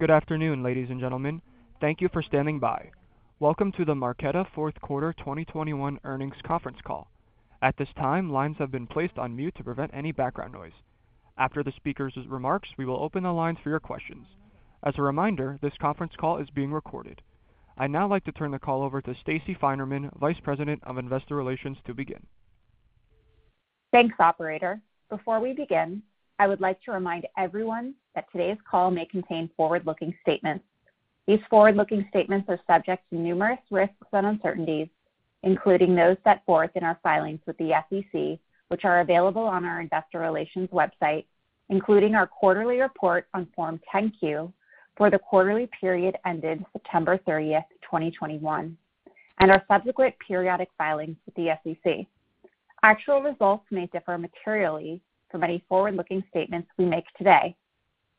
Good afternoon, ladies and gentlemen. Thank you for standing by. Welcome to the Marqeta Fourth Quarter 2021 Earnings Conference Call. At this time, lines have been placed on mute to prevent any background noise. After the speakers' remarks, we will open the lines for your questions. As a reminder, this conference call is being recorded. I'd now like to turn the call over to Stacey Finerman, Vice President of Investor Relations, to begin. Thanks, operator. Before we begin, I would like to remind everyone that today's call may contain forward-looking statements. These forward-looking statements are subject to numerous risks and uncertainties, including those set forth in our filings with the SEC, which are available on our investor relations website, including our quarterly report on Form 10-Q for the quarterly period ended September 30th, 2021, and our subsequent periodic filings with the SEC. Actual results may differ materially from any forward-looking statements we make today.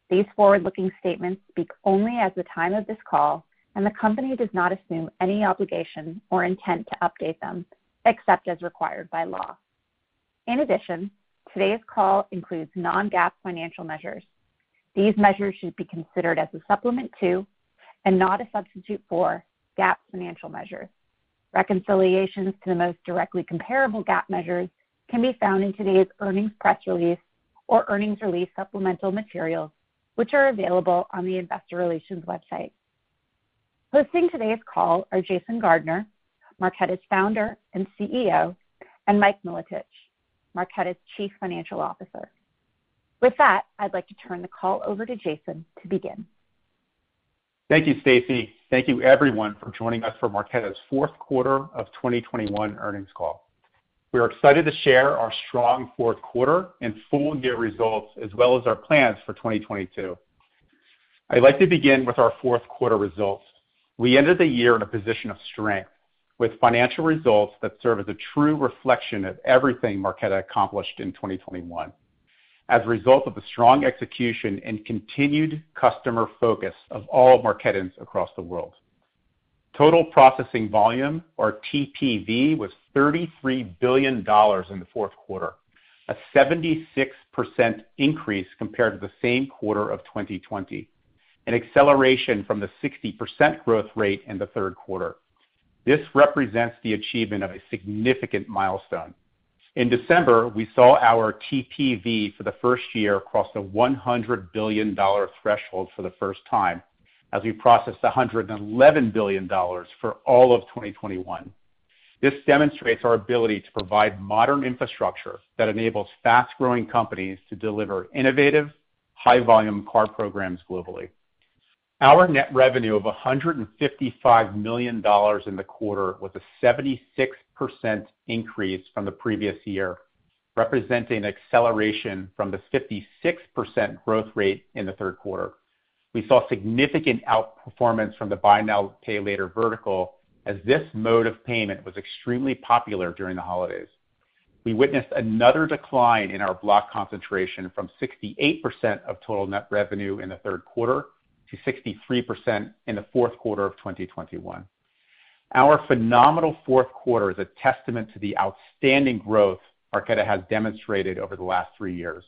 These forward-looking statements speak only as of the time of this call, and the company does not assume any obligation or intent to update them except as required by law. In addition, today's call includes non-GAAP financial measures. These measures should be considered as a supplement to and not a substitute for GAAP financial measures. Reconciliations to the most directly comparable GAAP measures can be found in today's earnings press release or earnings release supplemental materials, which are available on the investor relations website. Hosting today's call are Jason Gardner, Marqeta's founder and CEO, and Mike Milotich, Marqeta's Chief Financial Officer. With that, I'd like to turn the call over to Jason to begin. Thank you, Stacey. Thank you, everyone, for joining us for Marqeta's Fourth Quarter of 2021 Earnings Call. We are excited to share our strong fourth quarter and full year results as well as our plans for 2022. I'd like to begin with our fourth quarter results. We ended the year in a position of strength with financial results that serve as a true reflection of everything Marqeta accomplished in 2021 as a result of the strong execution and continued customer focus of all Marquetans across the world. Total Processing Volume or TPV was $33 billion in the fourth quarter, a 76% increase compared to the same quarter of 2020, an acceleration from the 60% growth rate in the third quarter. This represents the achievement of a significant milestone. In December, we saw our TPV for the first year across the $100 billion threshold for the first time as we processed $111 billion for all of 2021. This demonstrates our ability to provide modern infrastructure that enables fast-growing companies to deliver innovative, high volume card programs globally. Our net revenue of $155 million in the quarter was a 76% increase from the previous year, representing acceleration from the 56% growth rate in the third quarter. We saw significant outperformance from the buy now, pay later vertical as this mode of payment was extremely popular during the holidays. We witnessed another decline in our Block concentration from 68% of total net revenue in the third quarter to 63% in the fourth quarter of 2021. Our phenomenal fourth quarter is a testament to the outstanding growth Marqeta has demonstrated over the last three years.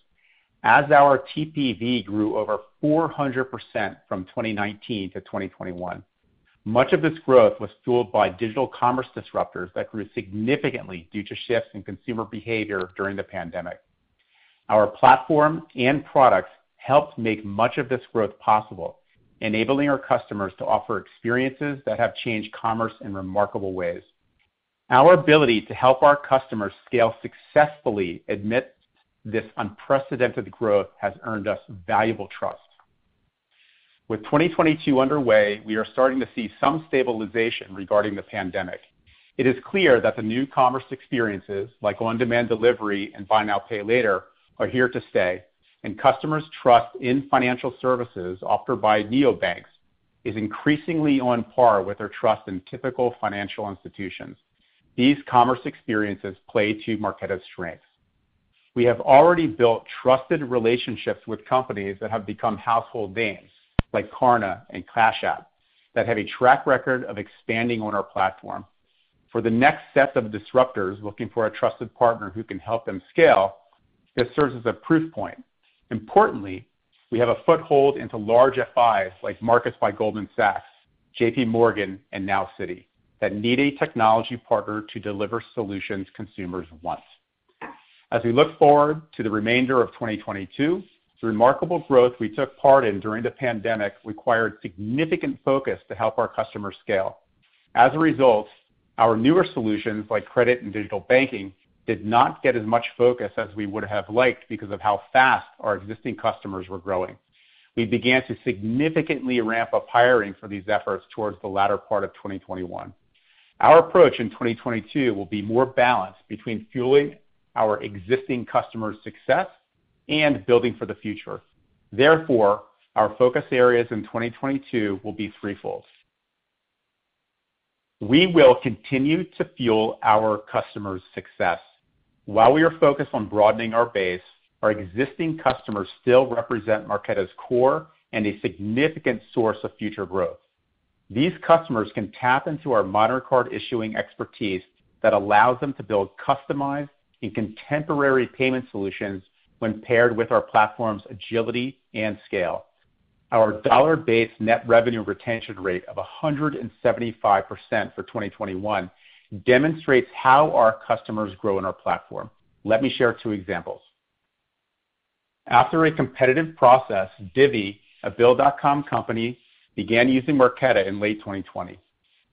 As our TPV grew over 400% from 2019 to 2021, much of this growth was fueled by digital commerce disruptors that grew significantly due to shifts in consumer behavior during the pandemic. Our platform and products helped make much of this growth possible, enabling our customers to offer experiences that have changed commerce in remarkable ways. Our ability to help our customers scale successfully amidst this unprecedented growth has earned us valuable trust. With 2022 underway, we are starting to see some stabilization regarding the pandemic. It is clear that the new commerce experiences, like on-demand delivery and buy now, pay later, are here to stay, and customers' trust in financial services offered by neobanks is increasingly on par with their trust in typical financial institutions. These commerce experiences play to Marqeta's strengths. We have already built trusted relationships with companies that have become household names, like Klarna and Cash App, that have a track record of expanding on our platform. For the next set of disruptors looking for a trusted partner who can help them scale, this serves as a proof point. Importantly, we have a foothold into large FIs like Marcus by Goldman Sachs, J.P. Morgan, and now Citi, that need a technology partner to deliver solutions consumers want. As we look forward to the remainder of 2022, the remarkable growth we took part in during the pandemic required significant focus to help our customers scale. As a result, our newer solutions, like credit and digital banking, did not get as much focus as we would have liked because of how fast our existing customers were growing. We began to significantly ramp up hiring for these efforts towards the latter part of 2021. Our approach in 2022 will be more balanced between fueling our existing customers' success and building for the future. Therefore, our focus areas in 2022 will be threefold. We will continue to fuel our customers' success. While we are focused on broadening our base, our existing customers still represent Marqeta's core and a significant source of future growth. These customers can tap into our modern card issuing expertise that allows them to build customized and contemporary payment solutions when paired with our platform's agility and scale. Our dollar-based net revenue retention rate of 175% for 2021 demonstrates how our customers grow in our platform. Let me share two examples. After a competitive process, Divvy, a Bill.com company, began using Marqeta in late 2020.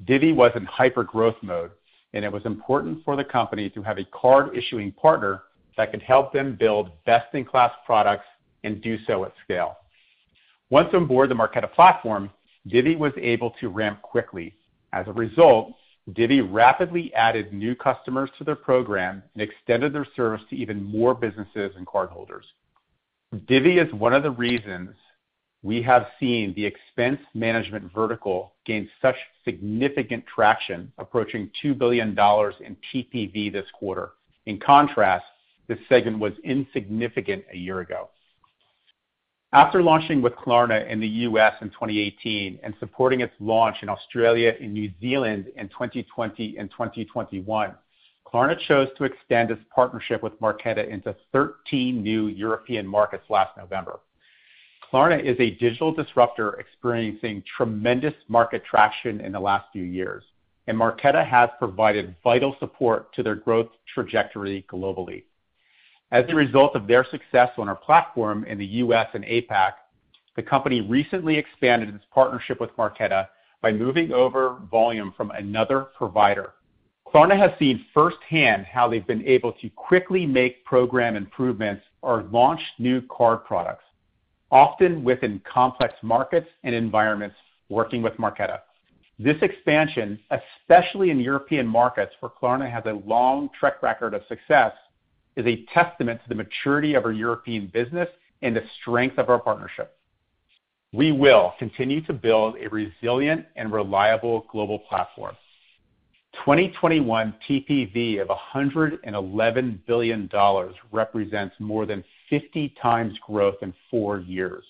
Divvy was in hyper-growth mode, and it was important for the company to have a card issuing partner that could help them build best-in-class products and do so at scale. Once on board the Marqeta platform, Divvy was able to ramp quickly. As a result, Divvy rapidly added new customers to their program and extended their service to even more businesses and cardholders. Divvy is one of the reasons we have seen the expense management vertical gain such significant traction, approaching $2 billion in TPV this quarter. In contrast, this segment was insignificant a year ago. After launching with Klarna in the U.S. in 2018 and supporting its launch in Australia and New Zealand in 2020 and 2021, Klarna chose to extend its partnership with Marqeta into 13 new European markets last November. Klarna is a digital disruptor experiencing tremendous market traction in the last few years, and Marqeta has provided vital support to their growth trajectory globally. As a result of their success on our platform in the U.S. and APAC, the company recently expanded its partnership with Marqeta by moving over volume from another provider. Klarna has seen firsthand how they've been able to quickly make program improvements or launch new card products, often within complex markets and environments working with Marqeta. This expansion, especially in European markets where Klarna has a long track record of success, is a testament to the maturity of our European business and the strength of our partnership. We will continue to build a resilient and reliable global platform. 2021 TPV of $111 billion represents more than 50 times growth in four years.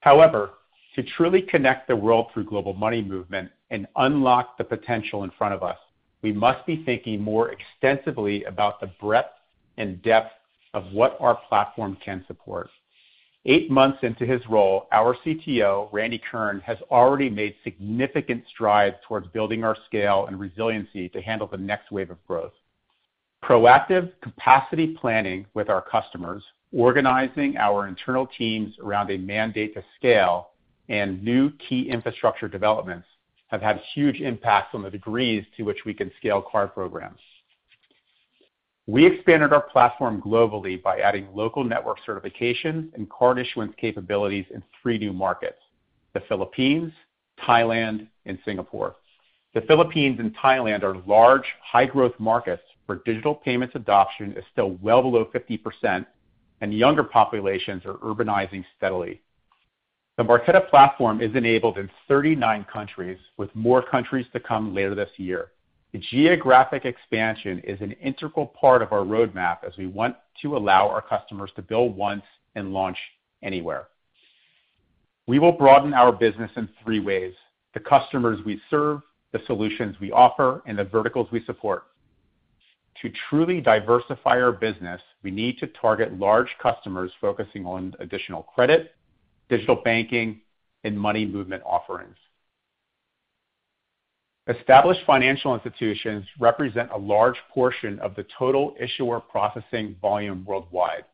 However, to truly connect the world through global money movement and unlock the potential in front of us, we must be thinking more extensively about the breadth and depth of what our platform can support. Eight months into his role, our CTO, Randy Kern, has already made significant strides towards building our scale and resiliency to handle the next wave of growth. Proactive capacity planning with our customers, organizing our internal teams around a mandate to scale, and new key infrastructure developments have had huge impacts on the degrees to which we can scale card programs. We expanded our platform globally by adding local network certifications and card issuance capabilities in three new markets, the Philippines, Thailand, and Singapore. The Philippines and Thailand are large, high-growth markets where digital payments adoption is still well below 50% and the younger populations are urbanizing steadily. The Marqeta platform is enabled in 39 countries, with more countries to come later this year. The geographic expansion is an integral part of our roadmap as we want to allow our customers to build once and launch anywhere. We will broaden our business in three ways, the customers we serve, the solutions we offer, and the verticals we support. To truly diversify our business, we need to target large customers focusing on additional credit, digital banking, and money movement offerings. Established financial institutions represent a large portion of the total issuer processing volume worldwide.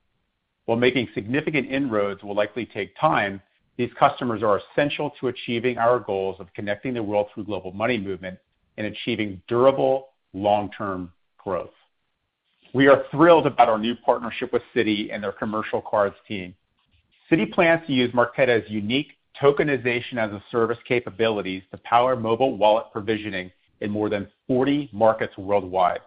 While making significant inroads will likely take time, these customers are essential to achieving our goals of connecting the world through global money movement and achieving durable long-term growth. We are thrilled about our new partnership with Citi and their commercial cards team. Citi plans to use Marqeta's unique tokenization-as-a-service capabilities to power mobile wallet provisioning in more than 40 markets worldwide.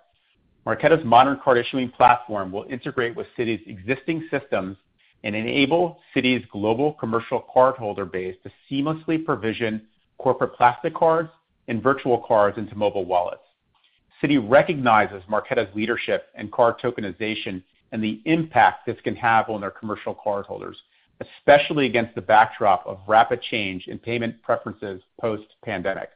Marqeta's modern card issuing platform will integrate with Citi's existing systems and enable Citi's global commercial cardholder base to seamlessly provision corporate plastic cards and virtual cards into mobile wallets. Citi recognizes Marqeta's leadership in card tokenization and the impact this can have on their commercial cardholders, especially against the backdrop of rapid change in payment preferences post-pandemic.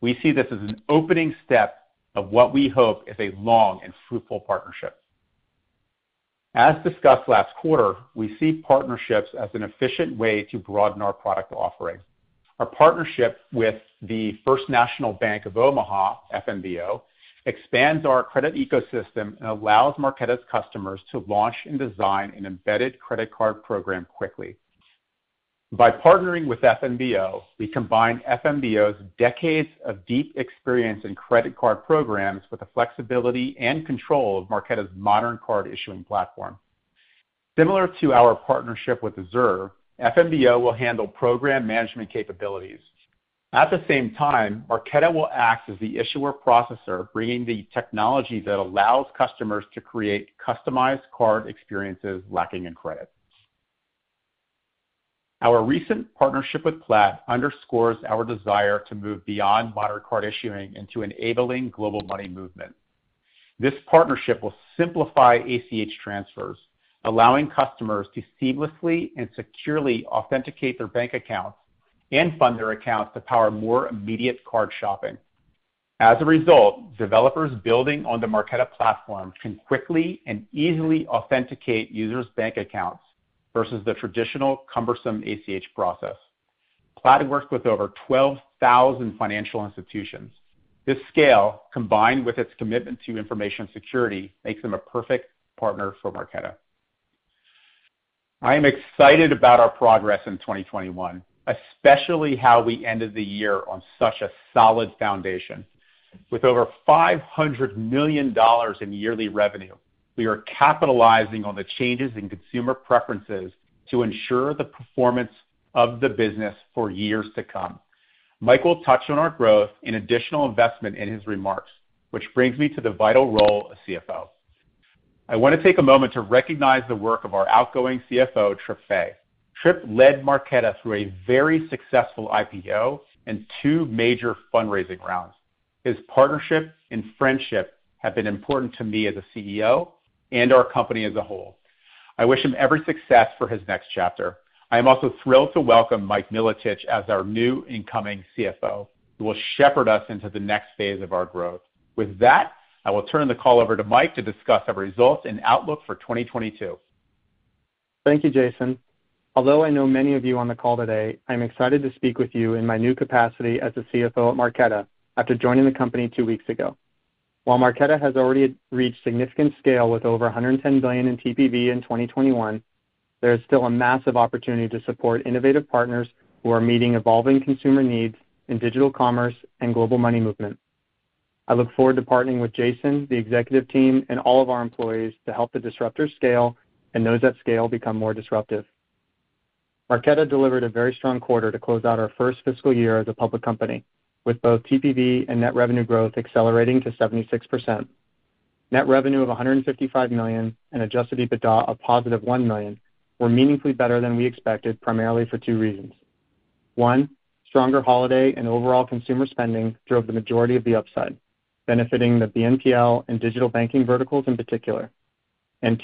We see this as an opening step of what we hope is a long and fruitful partnership. As discussed last quarter, we see partnerships as an efficient way to broaden our product offerings. Our partnership with the First National Bank of Omaha, FNBO, expands our credit ecosystem and allows Marqeta's customers to launch and design an embedded credit card program quickly. By partnering with FNBO, we combine FNBO's decades of deep experience in credit card programs with the flexibility and control of Marqeta's modern card issuing platform. Similar to our partnership with Synchrony, FNBO will handle program management capabilities. At the same time, Marqeta will act as the issuer processor, bringing the technology that allows customers to create customized card experiences lacking in credit. Our recent partnership with Plaid underscores our desire to move beyond modern card issuing into enabling global money movement. This partnership will simplify ACH transfers, allowing customers to seamlessly and securely authenticate their bank accounts and fund their accounts to power more immediate card shopping. As a result, developers building on the Marqeta platform can quickly and easily authenticate users' bank accounts versus the traditional cumbersome ACH process. Plaid works with over 12,000 financial institutions. This scale, combined with its commitment to information security, makes them a perfect partner for Marqeta. I am excited about our progress in 2021, especially how we ended the year on such a solid foundation. With over $500 million in yearly revenue, we are capitalizing on the changes in consumer preferences to ensure the performance of the business for years to come. Mike will touch on our growth and additional investment in his remarks, which brings me to the vital role of CFO. I want to take a moment to recognize the work of our outgoing CFO, Tripp Faix. Tripp led Marqeta through a very successful IPO and two major fundraising rounds. His partnership and friendship have been important to me as a CEO and our company as a whole. I wish him every success for his next chapter. I am also thrilled to welcome Mike Milotich as our new incoming CFO, who will shepherd us into the next phase of our growth. With that, I will turn the call over to Mike to discuss our results and outlook for 2022. Thank you, Jason. Although I know many of you on the call today, I'm excited to speak with you in my new capacity as the CFO at Marqeta after joining the company two weeks ago. While Marqeta has already reached significant scale with over $110 billion in TPV in 2021, there is still a massive opportunity to support innovative partners who are meeting evolving consumer needs in digital commerce and global money movement. I look forward to partnering with Jason, the executive team, and all of our employees to help the disruptors scale and those at scale become more disruptive. Marqeta delivered a very strong quarter to close out our first fiscal year as a public company, with both TPV and net revenue growth accelerating to 76%. Net revenue of $155 million and adjusted EBITDA of $1 million were meaningfully better than we expected, primarily for two reasons. One, stronger holiday and overall consumer spending drove the majority of the upside, benefiting the BNPL and digital banking verticals in particular.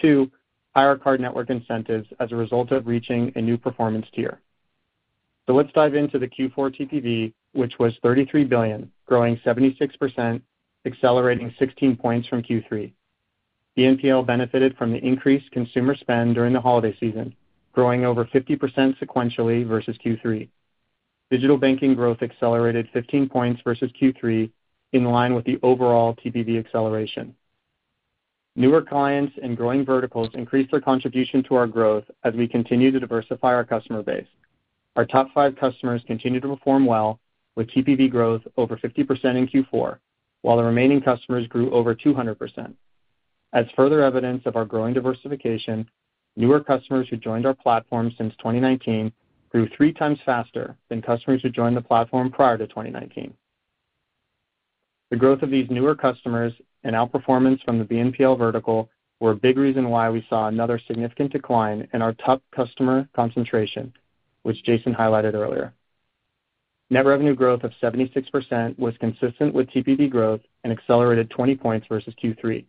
Two, higher card network incentives as a result of reaching a new performance tier. Let's dive into the Q4 TPV, which was $33 billion, growing 76%, accelerating 16 points from Q3. BNPL benefited from the increased consumer spend during the holiday season, growing over 50% sequentially versus Q3. Digital banking growth accelerated 15 points versus Q3, in line with the overall TPV acceleration. Newer clients and growing verticals increased their contribution to our growth as we continue to diversify our customer base. Our top five customers continued to perform well with TPV growth over 50% in Q4, while the remaining customers grew over 200%. As further evidence of our growing diversification, newer customers who joined our platform since 2019 grew three times faster than customers who joined the platform prior to 2019. The growth of these newer customers and outperformance from the BNPL vertical were a big reason why we saw another significant decline in our top customer concentration, which Jason highlighted earlier. Net revenue growth of 76% was consistent with TPV growth and accelerated 20 points versus Q3.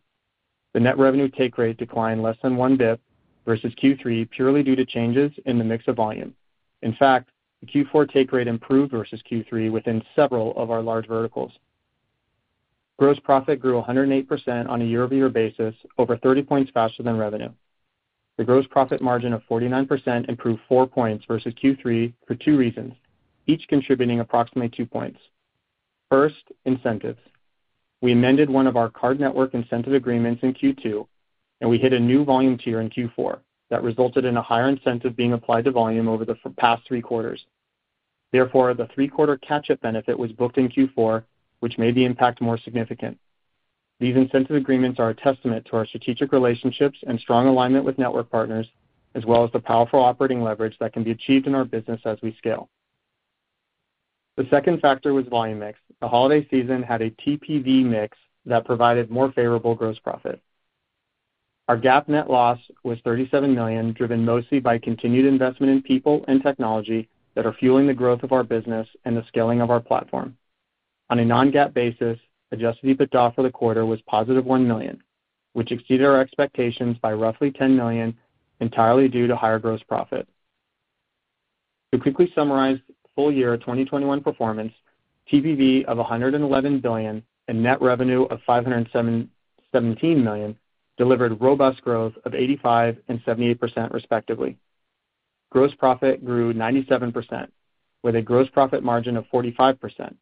The net revenue take rate declined less than one basis point versus Q3, purely due to changes in the mix of volume. In fact, the Q4 take rate improved versus Q3 within several of our large verticals. Gross profit grew 108% on a year-over-year basis, over 30 points faster than revenue. The gross profit margin of 49% improved 4 points versus Q3 for two reasons, each contributing approximately 2 points. First, incentives. We amended one of our card network incentive agreements in Q2, and we hit a new volume tier in Q4 that resulted in a higher incentive being applied to volume over the past three quarters. Therefore, the three-quarter catch-up benefit was booked in Q4, which made the impact more significant. These incentive agreements are a testament to our strategic relationships and strong alignment with network partners, as well as the powerful operating leverage that can be achieved in our business as we scale. The second factor was volume mix. The holiday season had a TPV mix that provided more favorable gross profit. Our GAAP net loss was $37 million, driven mostly by continued investment in people and technology that are fueling the growth of our business and the scaling of our platform. On a non-GAAP basis, adjusted EBITDA for the quarter was +$1 million, which exceeded our expectations by roughly $10 million, entirely due to higher gross profit. To quickly summarize full year 2021 performance, TPV of $111 billion and net revenue of $577 million delivered robust growth of 85% and 78% respectively. Gross profit grew 97% with a gross profit margin of 45%,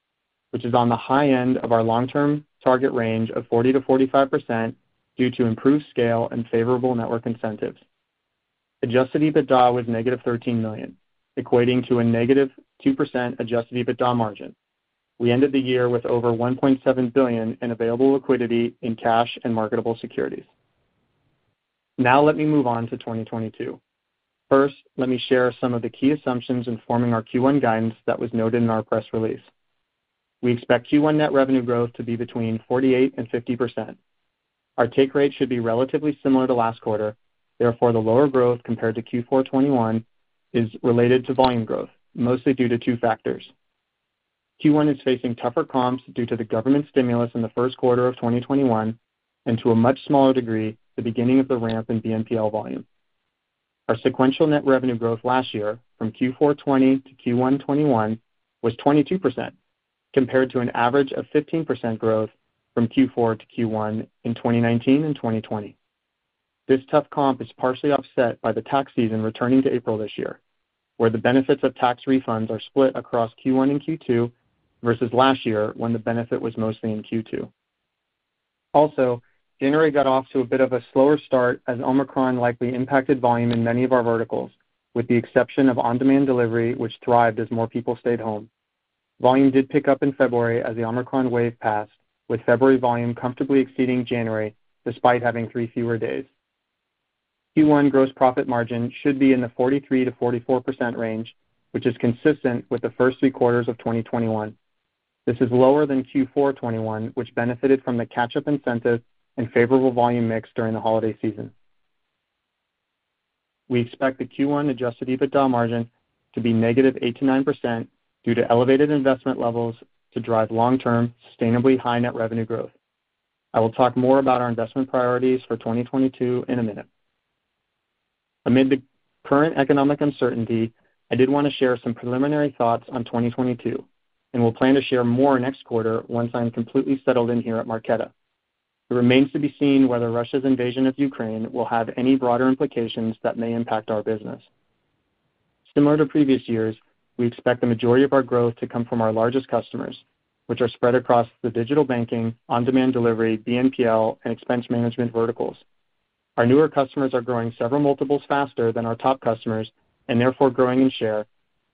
which is on the high end of our long-term target range of 40%-45% due to improved scale and favorable network incentives. Adjusted EBITDA was -$13 million, equating to a -2% adjusted EBITDA margin. We ended the year with over $1.7 billion in available liquidity in cash and marketable securities. Now let me move on to 2022. First, let me share some of the key assumptions in forming our Q1 guidance that was noted in our press release. We expect Q1 net revenue growth to be between 48% and 50%. Our take rate should be relatively similar to last quarter. Therefore, the lower growth compared to Q4 2021 is related to volume growth, mostly due to two factors. Q1 is facing tougher comps due to the government stimulus in the first quarter of 2021, and to a much smaller degree, the beginning of the ramp in BNPL volume. Our sequential net revenue growth last year from Q4 2020 to Q1 2021 was 22% compared to an average of 15% growth from Q4 to Q1 in 2019 and 2020. This tough comp is partially offset by the tax season returning to April this year, where the benefits of tax refunds are split across Q1 and Q2 versus last year, when the benefit was mostly in Q2. Also, January got off to a bit of a slower start as Omicron likely impacted volume in many of our verticals, with the exception of on-demand delivery, which thrived as more people stayed home. Volume did pick up in February as the Omicron wave passed, with February volume comfortably exceeding January despite having three fewer days. Q1 gross profit margin should be in the 43%-44% range, which is consistent with the first three quarters of 2021. This is lower than Q4 2021, which benefited from the catch-up incentive and favorable volume mix during the holiday season. We expect the Q1 adjusted EBITDA margin to be negative 8%-9% due to elevated investment levels to drive long-term sustainably high net revenue growth. I will talk more about our investment priorities for 2022 in a minute. Amid the current economic uncertainty, I did wanna share some preliminary thoughts on 2022, and we'll plan to share more next quarter once I'm completely settled in here at Marqeta. It remains to be seen whether Russia's invasion of Ukraine will have any broader implications that may impact our business. Similar to previous years, we expect the majority of our growth to come from our largest customers, which are spread across the digital banking, on-demand delivery, BNPL, and expense management verticals. Our newer customers are growing several multiples faster than our top customers and therefore growing in share,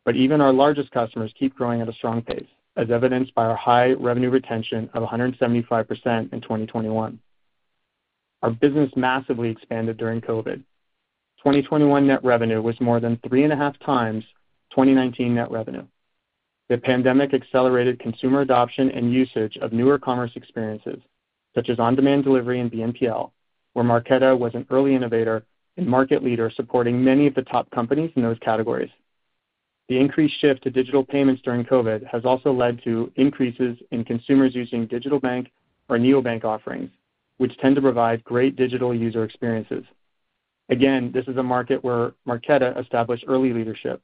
but even our largest customers keep growing at a strong pace, as evidenced by our high revenue retention of 175% in 2021. Our business massively expanded during COVID. 2021 net revenue was more than 3.5 times 2019 net revenue. The pandemic accelerated consumer adoption and usage of newer commerce experiences, such as on-demand delivery and BNPL, where Marqeta was an early innovator and market leader supporting many of the top companies in those categories. The increased shift to digital payments during COVID has also led to increases in consumers using digital bank or neobank offerings, which tend to provide great digital user experiences. Again, this is a market where Marqeta established early leadership.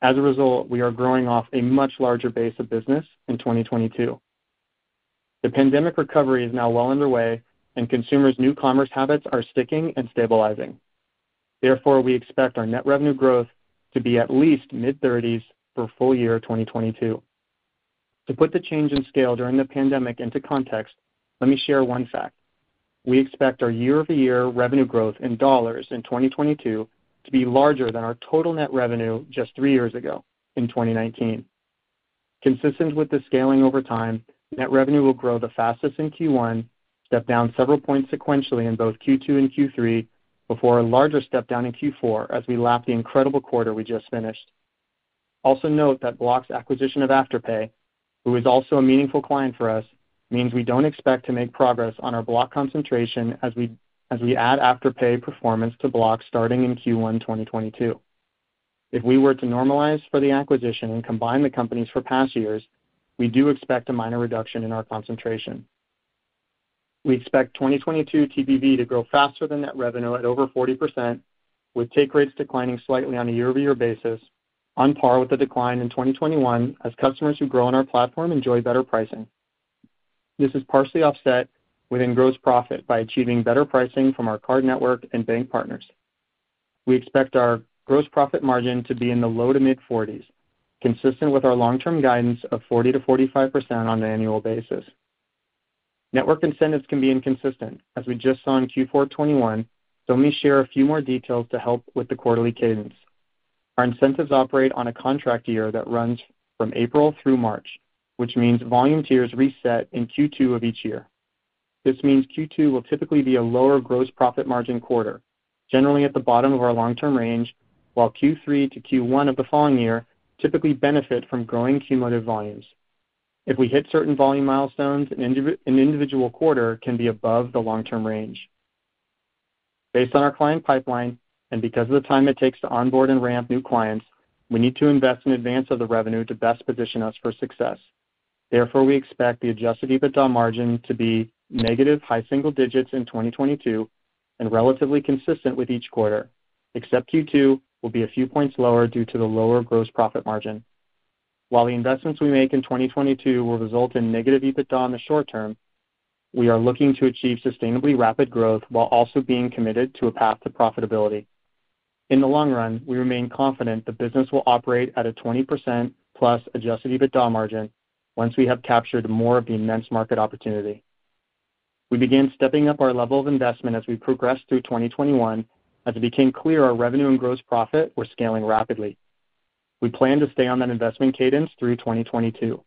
As a result, we are growing off a much larger base of business in 2022. The pandemic recovery is now well underway, and consumers' new commerce habits are sticking and stabilizing. Therefore, we expect our net revenue growth to be at least mid-30% for full year 2022. To put the change in scale during the pandemic into context, let me share one fact. We expect our year-over-year revenue growth in dollars in 2022 to be larger than our total net revenue just three years ago in 2019. Consistent with the scaling over time, net revenue will grow the fastest in Q1, step down several points sequentially in both Q2 and Q3 before a larger step down in Q4 as we lap the incredible quarter we just finished. Also note that Block's acquisition of Afterpay, who is also a meaningful client for us, means we don't expect to make progress on our Block concentration as we add Afterpay performance to Block starting in Q1 2022. If we were to normalize for the acquisition and combine the companies for past years, we do expect a minor reduction in our concentration. We expect 2022 TPV to grow faster than net revenue at over 40%, with take rates declining slightly on a year-over-year basis on par with the decline in 2021 as customers who grow on our platform enjoy better pricing. This is partially offset within gross profit by achieving better pricing from our card network and bank partners. We expect our gross profit margin to be in the low to mid-40s, consistent with our long-term guidance of 40%-45% on an annual basis. Network incentives can be inconsistent, as we just saw in Q4 2021, so let me share a few more details to help with the quarterly cadence. Our incentives operate on a contract year that runs from April through March, which means volume tiers reset in Q2 of each year. This means Q2 will typically be a lower gross profit margin quarter, generally at the bottom of our long-term range, while Q3 to Q1 of the following year typically benefit from growing cumulative volumes. If we hit certain volume milestones, an individual quarter can be above the long-term range. Based on our client pipeline and because of the time it takes to onboard and ramp new clients, we need to invest in advance of the revenue to best position us for success. Therefore, we expect the adjusted EBITDA margin to be negative high single digits in 2022 and relatively consistent with each quarter, except Q2 will be a few points lower due to the lower gross profit margin. While the investments we make in 2022 will result in negative EBITDA in the short term, we are looking to achieve sustainably rapid growth while also being committed to a path to profitability. In the long run, we remain confident the business will operate at a 20%+ adjusted EBITDA margin once we have captured more of the immense market opportunity. We began stepping up our level of investment as we progressed through 2021 as it became clear our revenue and gross profit were scaling rapidly. We plan to stay on that investment cadence through 2022.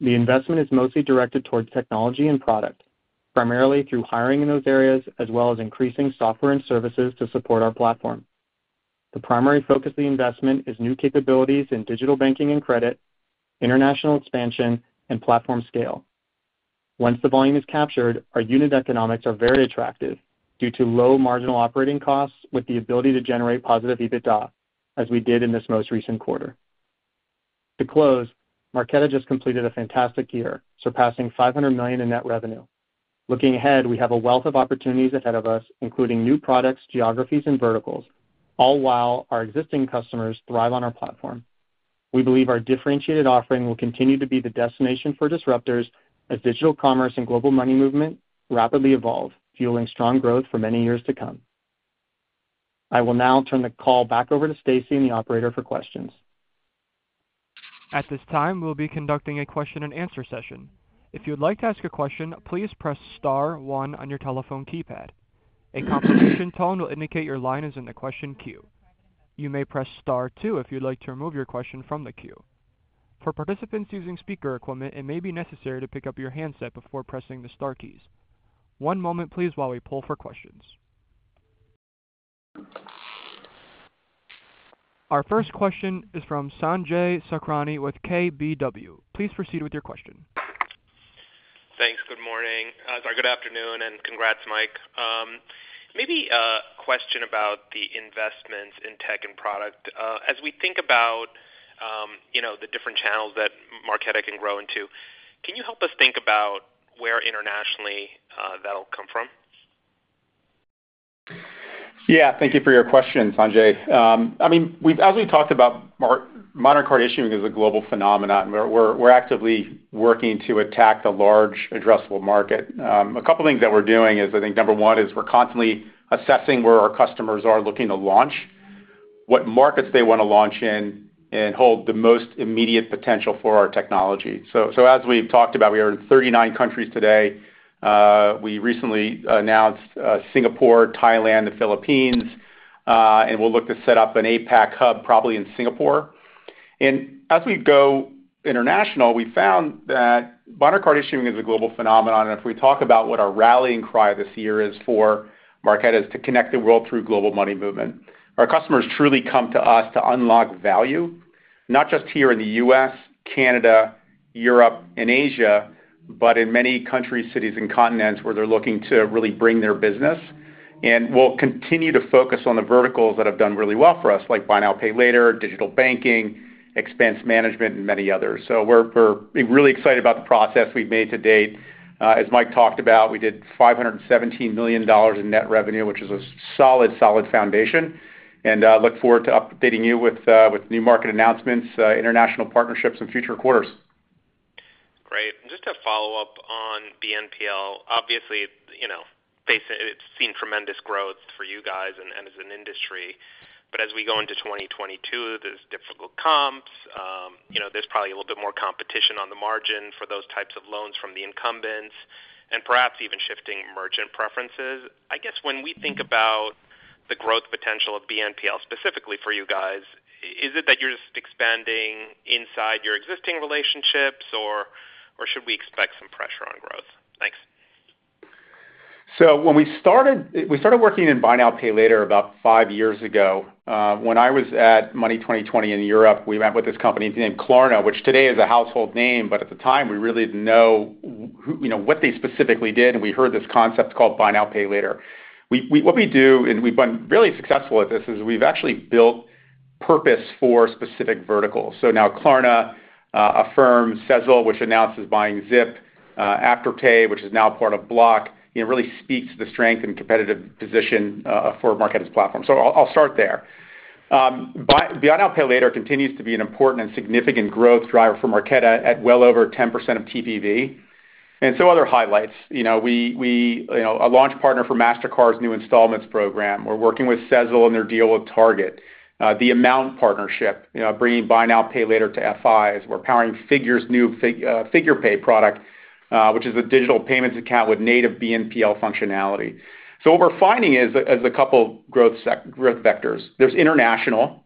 The investment is mostly directed towards technology and product, primarily through hiring in those areas, as well as increasing software and services to support our platform. The primary focus of the investment is new capabilities in digital banking and credit, international expansion, and platform scale. Once the volume is captured, our unit economics are very attractive due to low marginal operating costs with the ability to generate positive EBITDA, as we did in this most recent quarter. To close, Marqeta just completed a fantastic year, surpassing $500 million in net revenue. Looking ahead, we have a wealth of opportunities ahead of us, including new products, geographies, and verticals, all while our existing customers thrive on our platform. We believe our differentiated offering will continue to be the destination for disruptors as digital commerce and global money movement rapidly evolve, fueling strong growth for many years to come. I will now turn the call back over to Stacey and the operator for questions. At this time, we'll be conducting a question and answer session. If you'd like to ask a question, please press star one on your telephone keypad. A confirmation tone will indicate your line is in the question queue. You may press star two if you'd like to remove your question from the queue. For participants using speaker equipment, it may be necessary to pick up your handset before pressing the star keys. One moment please while we pull for questions. Our first question is from Sanjay Sakhrani with KBW. Please proceed with your question. Thanks. Good morning. Sorry, good afternoon and congrats, Mike. Maybe a question about the investments in tech and product. As we think about, you know, the different channels that Marqeta can grow into, can you help us think about where internationally, that'll come from? Yeah. Thank you for your question, Sanjay. As we talked about, modern card issuing is a global phenomenon. We're actively working to attack the large addressable market. A couple of things that we're doing is number one is we're constantly assessing where our customers are looking to launch, what markets they want to launch in, and hold the most immediate potential for our technology. As we've talked about, we are in 39 countries today. We recently announced Singapore, Thailand, the Philippines, and we'll look to set up an APAC hub probably in Singapore. As we go international, we found that modern card issuing is a global phenomenon. If we talk about what our rallying cry this year is for Marqeta is to connect the world through global money movement. Our customers truly come to us to unlock value, not just here in the U.S., Canada, Europe, and Asia, but in many countries, cities, and continents where they're looking to really bring their business. We'll continue to focus on the verticals that have done really well for us, like buy now, pay later, digital banking, expense management, and many others. We're really excited about the progress we've made to date. As Mike talked about, we did $517 million in net revenue, which is a solid foundation, and look forward to updating you with new market announcements, international partnerships in future quarters. Great. Just to follow up on BNPL, obviously, you know, it's seen tremendous growth for you guys and as an industry. As we go into 2022, there's difficult comps, you know, there's probably a little bit more competition on the margin for those types of loans from the incumbents and perhaps even shifting merchant preferences. I guess when we think about the growth potential of BNPL specifically for you guys, is it that you're just expanding inside your existing relationships or should we expect some pressure on growth? Thanks. When we started, we started working in buy now, pay later about five years ago. When I was at Money20/20 in Europe, we met with this company named Klarna, which today is a household name, but at the time, we really didn't know you know, what they specifically did, and we heard this concept called buy now, pay later. What we do, and we've been really successful at this, is we've actually built purpose for specific verticals. Now Klarna, Affirm, Sezzle, which announced is buying Zip, Afterpay, which is now part of Block, it really speaks to the strength and competitive position for Marqeta's platform. I'll start there. Buy now, pay later continues to be an important and significant growth driver for Marqeta at well over 10% of TPV. Some other highlights. You know, we a launch partner for Mastercard's new Installments program. We're working with Sezzle and their deal with Target. The Amount partnership, you know, bringing buy now, pay later to FIs. We're powering Figure's new Figure Pay product, which is a digital payments account with native BNPL functionality. What we're finding is a couple growth vectors. There's international,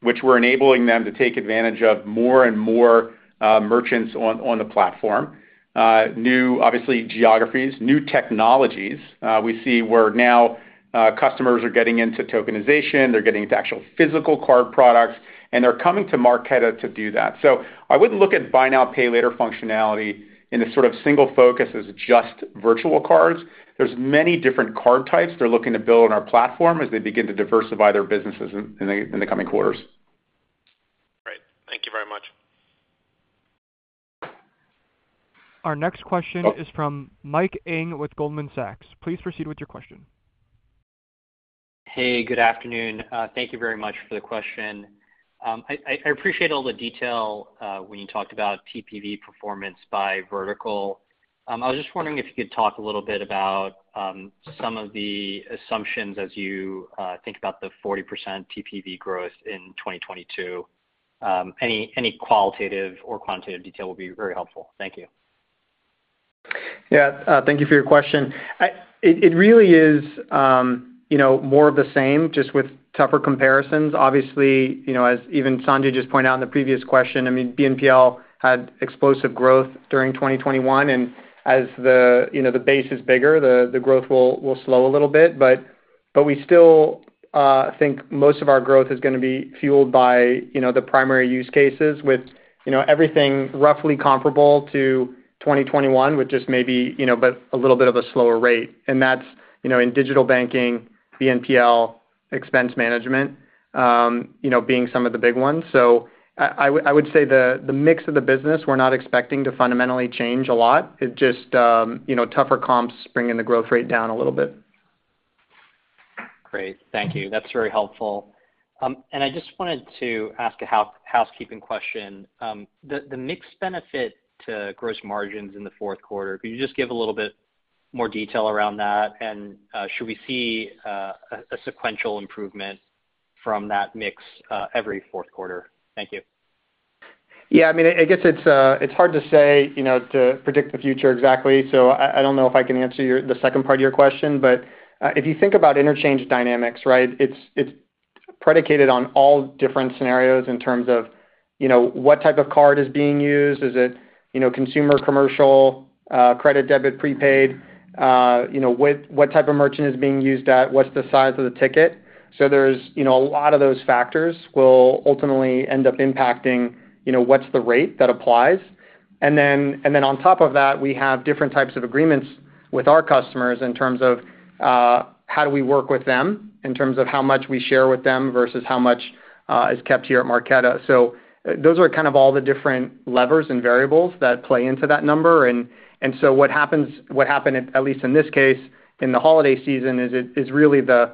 which we're enabling them to take advantage of more and more merchants on the platform, new, obviously, geographies, new technologies. We see now customers are getting into tokenization, they're getting into actual physical card products, and they're coming to Marqeta to do that. I wouldn't look at buy now, pay later functionality in a sort of single focus as just virtual cards. There's many different card types they're looking to build on our platform as they begin to diversify their businesses in the coming quarters. Great. Thank you very much. Our next question is from Mike Ng with Goldman Sachs. Please proceed with your question. Hey, good afternoon. Thank you very much for the question. I appreciate all the detail when you talked about TPV performance by vertical. I was just wondering if you could talk a little bit about some of the assumptions as you think about the 40% TPV growth in 2022. Any qualitative or quantitative detail would be very helpful. Thank you. Yeah. Thank you for your question. It really is, you know, more of the same just with tougher comparisons. Obviously, you know, as even Sanjay just pointed out in the previous question, I mean, BNPL had explosive growth during 2021. As the, you know, the base is bigger, the growth will slow a little bit. But we still think most of our growth is gonna be fueled by, you know, the primary use cases with, you know, everything roughly comparable to 2021, which is maybe, you know, but a little bit of a slower rate. That's, you know, in digital banking, BNPL, expense management, you know, being some of the big ones. I would say the mix of the business, we're not expecting to fundamentally change a lot. It just, you know, tougher comps bringing the growth rate down a little bit. Great. Thank you. That's very helpful. I just wanted to ask a housekeeping question. The mix benefit to gross margins in the fourth quarter, could you just give a little bit more detail around that? Should we see a sequential improvement from that mix every fourth quarter? Thank you. Yeah. I mean, I guess it's hard to say, you know, to predict the future exactly. I don't know if I can answer the second part of your question, but if you think about interchange dynamics, right, it's predicated on all different scenarios in terms of, you know, what type of card is being used. Is it, you know, consumer, commercial, credit, debit, prepaid? You know, what type of merchant is being used at? What's the size of the ticket? There's, you know, a lot of those factors will ultimately end up impacting, you know, what's the rate that applies. On top of that, we have different types of agreements with our customers in terms of how we work with them in terms of how much we share with them versus how much is kept here at Marqeta. Those are kind of all the different levers and variables that play into that number. What happened, at least in this case, in the holiday season is really the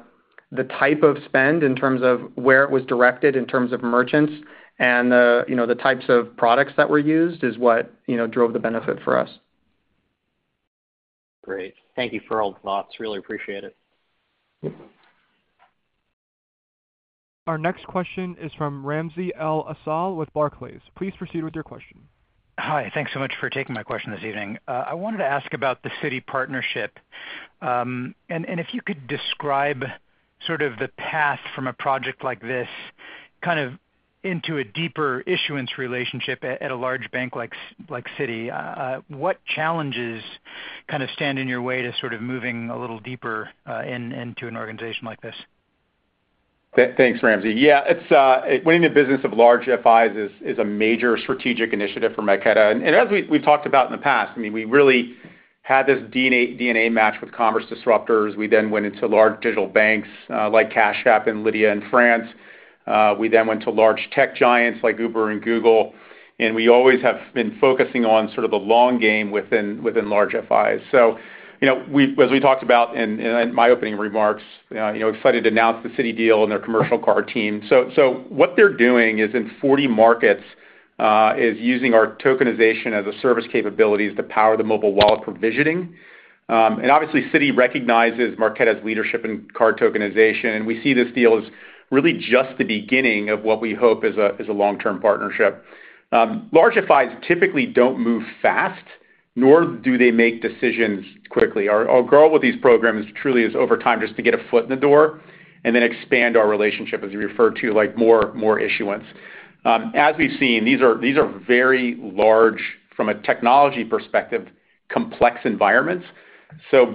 type of spend in terms of where it was directed in terms of merchants and, you know, the types of products that were used is what, you know, drove the benefit for us. Great. Thank you for all the thoughts. Really appreciate it. Our next question is from Ramsey El-Assal with Barclays. Please proceed with your question. Hi. Thanks so much for taking my question this evening. I wanted to ask about the Citi partnership. If you could describe sort of the path from a project like this kind of into a deeper issuance relationship at a large bank like Citi. What challenges kind of stand in your way to sort of moving a little deeper into an organization like this? Thanks, Ramsey. Yeah. It's winning the business of large FIs is a major strategic initiative for Marqeta. As we've talked about in the past, I mean, we really had this DNA match with commerce disruptors. We then went into large digital banks like Cash App and Lydia in France. We then went to large tech giants like Uber and Google, and we always have been focusing on sort of the long game within large FIs. You know, as we talked about in my opening remarks, you know, excited to announce the Citi deal and their commercial card team. What they're doing is in 40 markets is using our tokenization as a service capabilities to power the mobile wallet provisioning. Obviously, Citi recognizes Marqeta's leadership in card tokenization, and we see this deal as really just the beginning of what we hope is a long-term partnership. Large FIs typically don't move fast, nor do they make decisions quickly. Our goal with these programs truly is over time just to get a foot in the door and then expand our relationship as we refer to, like, more issuance. As we've seen, these are very large from a technology perspective, complex environments.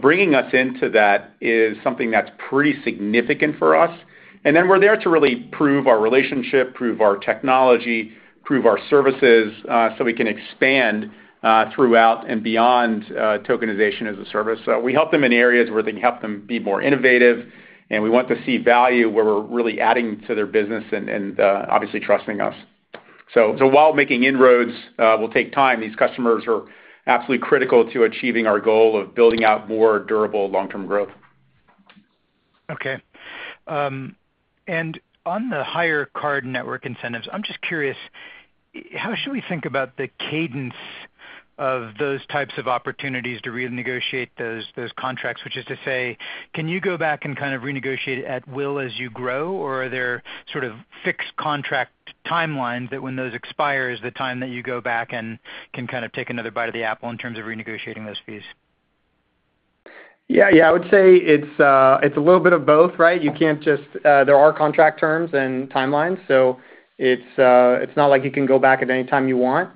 Bringing us into that is something that's pretty significant for us. We're there to really prove our relationship, prove our technology, prove our services, so we can expand throughout and beyond tokenization as a service. We help them in areas where they can help them be more innovative, and we want to see value where we're really adding to their business and obviously trusting us. While making inroads will take time, these customers are absolutely critical to achieving our goal of building out more durable long-term growth. Okay. On the higher card network incentives, I'm just curious, how should we think about the cadence of those types of opportunities to renegotiate those contracts? Which is to say, can you go back and kind of renegotiate at will as you grow, or are there sort of fixed contract timelines that when those expires, the time that you go back and can kind of take another bite of the apple in terms of renegotiating those fees? Yeah, yeah. I would say it's a little bit of both, right? There are contract terms and timelines, so it's not like you can go back at any time you want.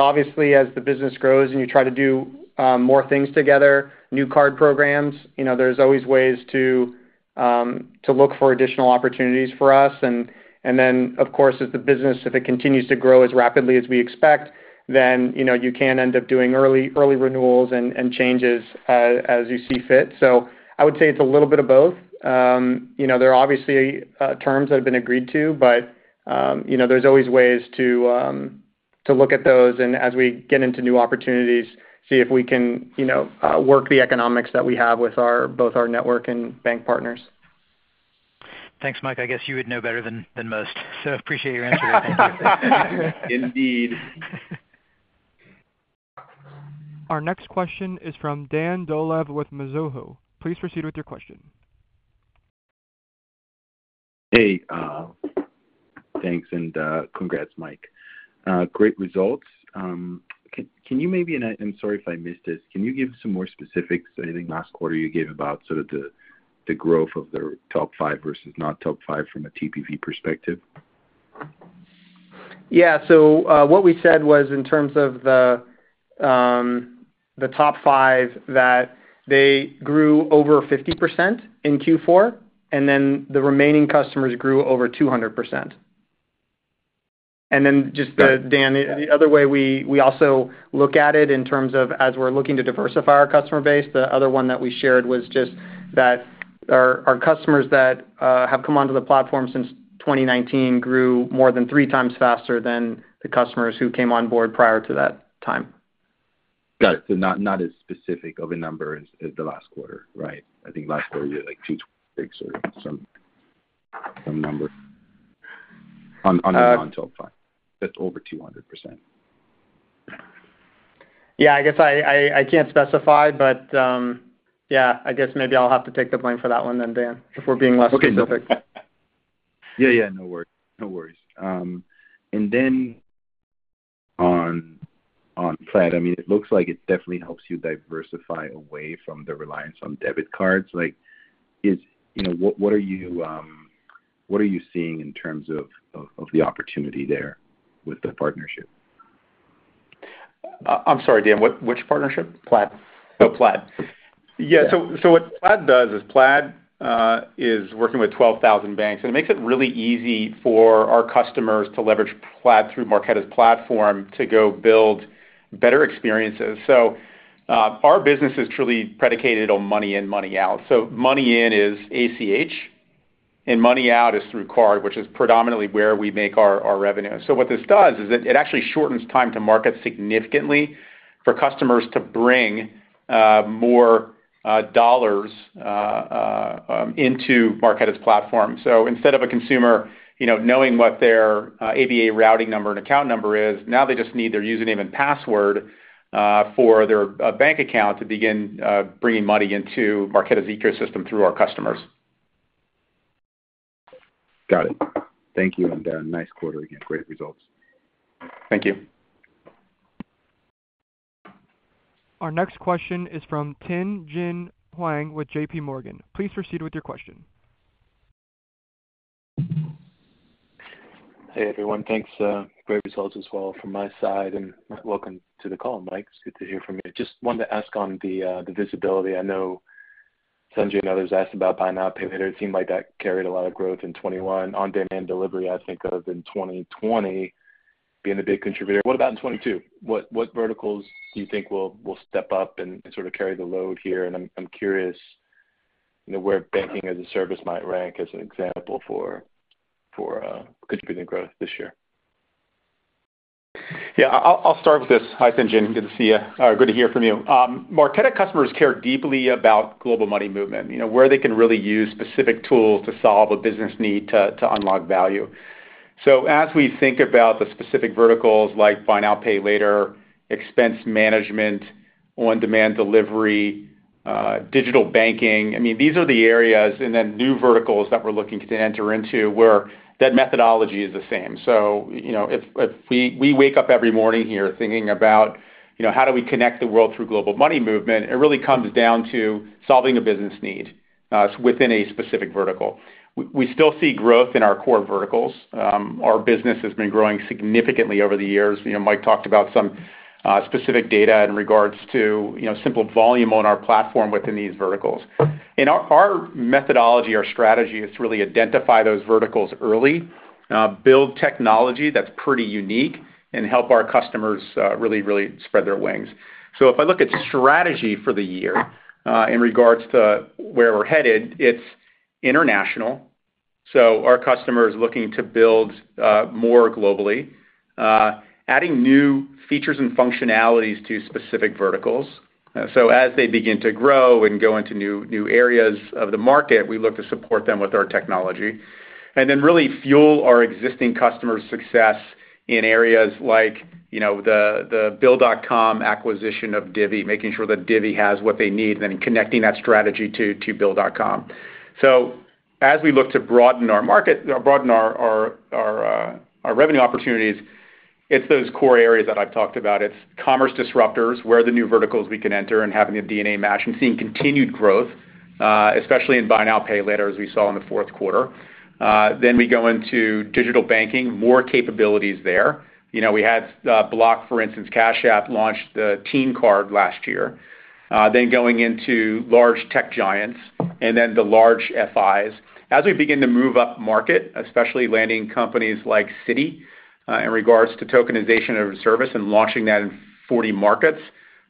Obviously, as the business grows and you try to do more things together, new card programs, you know, there's always ways to look for additional opportunities for us. Of course, if the business continues to grow as rapidly as we expect, you know, you can end up doing early renewals and changes as you see fit. I would say it's a little bit of both. You know, there are obviously terms that have been agreed to, but you know, there's always ways to look at those and as we get into new opportunities, see if we can, you know, work the economics that we have with both our network and bank partners. Thanks, Mike. I guess you would know better than most. Appreciate your answer. Indeed. Our next question is from Dan Dolev with Mizuho. Please proceed with your question. Hey, thanks and congrats, Mike. Great results. I'm sorry if I missed this. Can you give some more specifics? I think last quarter you gave about sort of the growth of the top five versus not top five from a TPV perspective. What we said was in terms of the top five that they grew over 50% in Q4, and then the remaining customers grew over 200%. Just the Got it. Dan, the other way we also look at it in terms of as we're looking to diversify our customer base, the other one that we shared was just that our customers that have come onto the platform since 2019 grew more than three times faster than the customers who came on board prior to that time. Got it. Not as specific of a number as the last quarter, right? I think last quarter you had, like, two or some number on the top five. That's over 200%. Yeah, I guess I can't specify, but yeah, I guess maybe I'll have to take the blame for that one then, Dan, if we're being less specific. Okay. Yeah, no worries. On Plaid, I mean, it looks like it definitely helps you diversify away from the reliance on debit cards. Like, you know, what are you seeing in terms of the opportunity there with the partnership? I'm sorry, Dan, which partnership? Plaid. Oh, Plaid. Yeah. What Plaid does is Plaid is working with 12,000 banks, and it makes it really easy for our customers to leverage Plaid through Marqeta's platform to go build better experiences. Our business is truly predicated on money in, money out. Money in is ACH, and money out is through card, which is predominantly where we make our revenue. What this does is it actually shortens time to market significantly for customers to bring more dollars into Marqeta's platform. Instead of a consumer you know knowing what their ABA routing number and account number is, now they just need their username and password for their bank account to begin bringing money into Marqeta's ecosystem through our customers. Got it. Thank you. Nice quarter again. Great results. Thank you. Our next question is from Tien-Tsin Huang with J.P. Morgan. Please proceed with your question. Hey, everyone. Thanks. Great results as well from my side, and welcome to the call, Mike. It's good to hear from you. Just wanted to ask on the visibility. I know Sanjay and others asked about buy now, pay later. It seemed like that carried a lot of growth in 2021. On-demand delivery, I think of in 2020 being a big contributor. What about in 2022? What verticals do you think will step up and sort of carry the load here? I'm curious, you know, where banking as a service might rank as an example for contributing growth this year. Yeah. I'll start with this. Hi, Tien-Tsin. Good to see you. Good to hear from you. Marqeta customers care deeply about global money movement, you know, where they can really use specific tools to solve a business need to unlock value. As we think about the specific verticals like buy now, pay later, expense management, on-demand delivery, digital banking, I mean, these are the areas and then new verticals that we're looking to enter into where that methodology is the same. You know, if we wake up every morning here thinking about, you know, how do we connect the world through global money movement, it really comes down to solving a business need within a specific vertical. We still see growth in our core verticals. Our business has been growing significantly over the years. You know, Mike talked about some specific data in regards to, you know, simple volume on our platform within these verticals. In our methodology, our strategy is to really identify those verticals early, build technology that's pretty unique, and help our customers really spread their wings. If I look at strategy for the year, in regards to where we're headed, it's international, so our customer is looking to build more globally. Adding new features and functionalities to specific verticals. As they begin to grow and go into new areas of the market, we look to support them with our technology. Then really fuel our existing customers' success in areas like, you know, the Bill.com acquisition of Divvy, making sure that Divvy has what they need, and then connecting that strategy to Bill.com. As we look to broaden our market or our revenue opportunities, it's those core areas that I've talked about. It's commerce disruptors, where are the new verticals we can enter and having a DNA match and seeing continued growth, especially in buy now, pay later, as we saw in the fourth quarter. We go into digital banking, more capabilities there. You know, we had Block, for instance, Cash App launched the Teen Card last year. Going into large tech giants and the large FIs. As we begin to move up market, especially landing companies like Citi, in regards to tokenization as a service and launching that in 40 markets,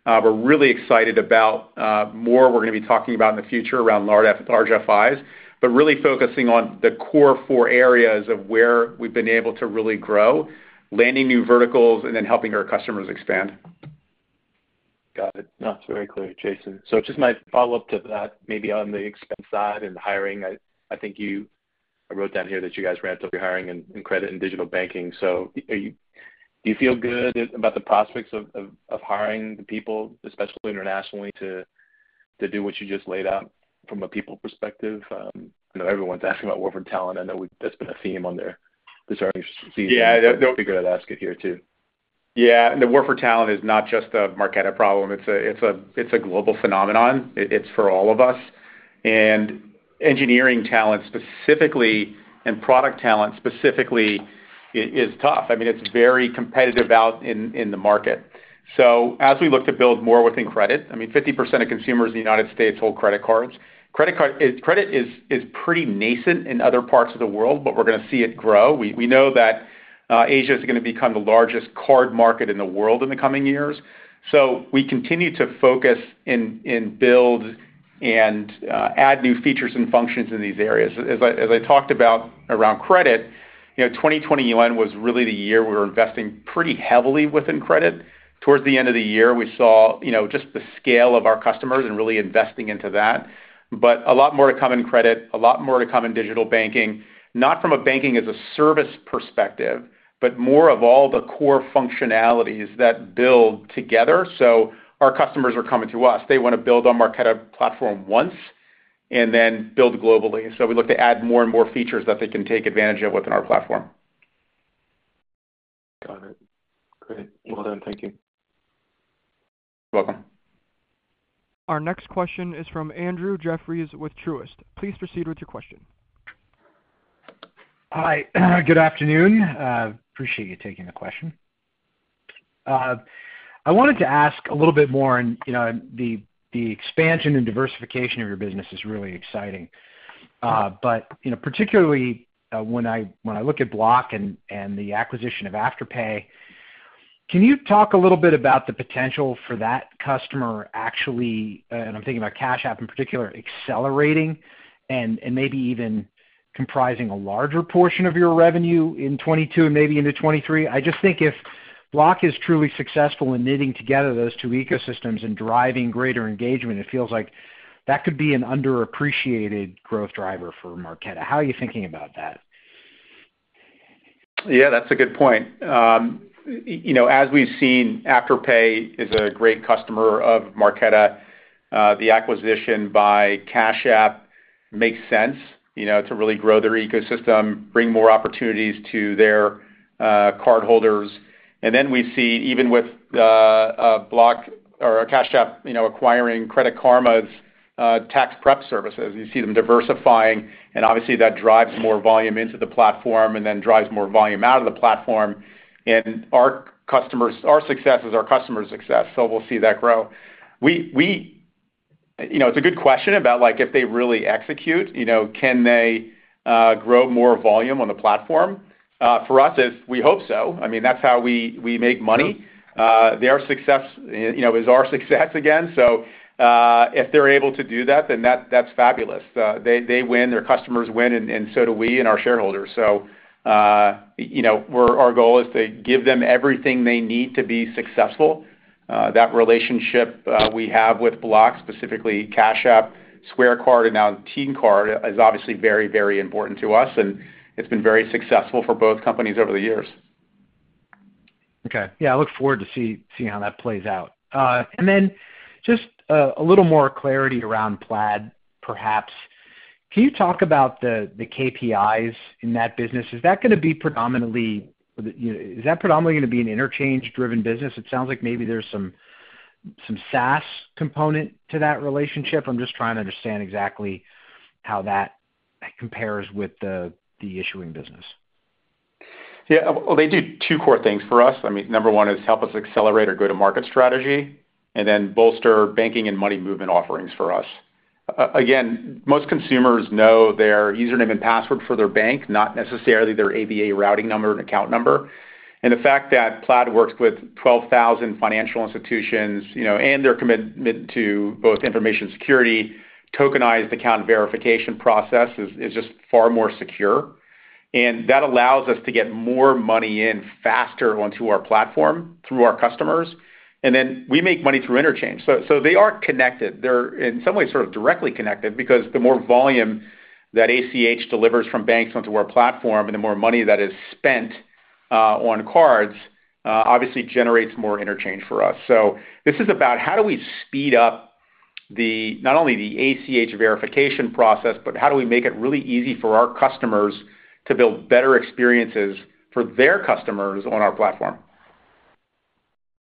we're really excited about more we're gonna be talking about in the future around large FIs. Really focusing on the core four areas of where we've been able to really grow, landing new verticals and then helping our customers expand. Got it. No, it's very clear, Jason. Just my follow-up to that, maybe on the expense side and hiring. I think I wrote down here that you guys ramped up your hiring in credit and digital banking. Do you feel good about the prospects of hiring the people, especially internationally, to do what you just laid out from a people perspective? I know everyone's asking about war for talent. I know that's been a theme throughout this earnings season. Yeah. I figured I'd ask it here too. Yeah, the war for talent is not just a Marqeta problem. It's a global phenomenon. It's for all of us. Engineering talent specifically and product talent specifically is tough. I mean, it's very competitive out in the market. As we look to build more within credit, I mean, 50% of consumers in the United States hold credit cards. Credit is pretty nascent in other parts of the world, but we're gonna see it grow. We know that Asia is gonna become the largest card market in the world in the coming years. We continue to focus and build and add new features and functions in these areas. As I talked about around credit, you know, 2021 was really the year we were investing pretty heavily within credit. Towards the end of the year, we saw, you know, just the scale of our customers and really investing into that. A lot more to come in credit, a lot more to come in digital banking, not from a banking-as-a-service perspective, but more of all the core functionalities that build together. Our customers are coming to us. They wanna build on Marqeta platform once and then build globally. We look to add more and more features that they can take advantage of within our platform. Got it. Great. Well done. Thank you. You're welcome. Our next question is from Andrew Jeffrey with Truist. Please proceed with your question. Hi. Good afternoon. Appreciate you taking the question. I wanted to ask a little bit more and, you know, the expansion and diversification of your business is really exciting. But, you know, particularly, when I look at Block and the acquisition of Afterpay, can you talk a little bit about the potential for that customer actually, and I'm thinking about Cash App in particular, accelerating and maybe even comprising a larger portion of your revenue in 2022 and maybe into 2023? I just think if Block is truly successful in knitting together those two ecosystems and driving greater engagement, it feels like that could be an underappreciated growth driver for Marqeta. How are you thinking about that? Yeah, that's a good point. You know, as we've seen, Afterpay is a great customer of Marqeta. The acquisition by Cash App makes sense, you know, to really grow their ecosystem, bring more opportunities to their cardholders. We see even with Block or Cash App, you know, acquiring Credit Karma's tax prep services, you see them diversifying, and obviously that drives more volume into the platform and then drives more volume out of the platform. Our success is our customers' success, so we'll see that grow. You know, it's a good question about, like, if they really execute, you know, can they grow more volume on the platform? For us is we hope so. I mean, that's how we make money. Their success, you know, is our success again. If they're able to do that, then that's fabulous. They win, their customers win, and so do we and our shareholders. You know, our goal is to give them everything they need to be successful. That relationship we have with Block, specifically Cash App, Square Card, and now Teen Card is obviously very important to us, and it's been very successful for both companies over the years. Okay. Yeah, I look forward to see how that plays out. Just a little more clarity around Plaid, perhaps. Can you talk about the KPIs in that business? Is that gonna be predominantly, you know, an interchange-driven business? It sounds like maybe there's some SaaS component to that relationship. I'm just trying to understand exactly how that compares with the issuing business. Yeah. Well, they do two core things for us. I mean, number one is help us accelerate our go-to-market strategy, and then bolster banking and money movement offerings for us. Again, most consumers know their username and password for their bank, not necessarily their ABA routing number and account number. The fact that Plaid works with 12,000 financial institutions, you know, and their commitment to both information security, tokenized account verification process is just far more secure. That allows us to get more money in faster onto our platform through our customers. Then we make money through interchange. They are connected. They're in some ways sort of directly connected because the more volume that ACH delivers from banks onto our platform and the more money that is spent on cards obviously generates more interchange for us. This is about how do we speed up the, not only the ACH verification process, but how do we make it really easy for our customers to build better experiences for their customers on our platform?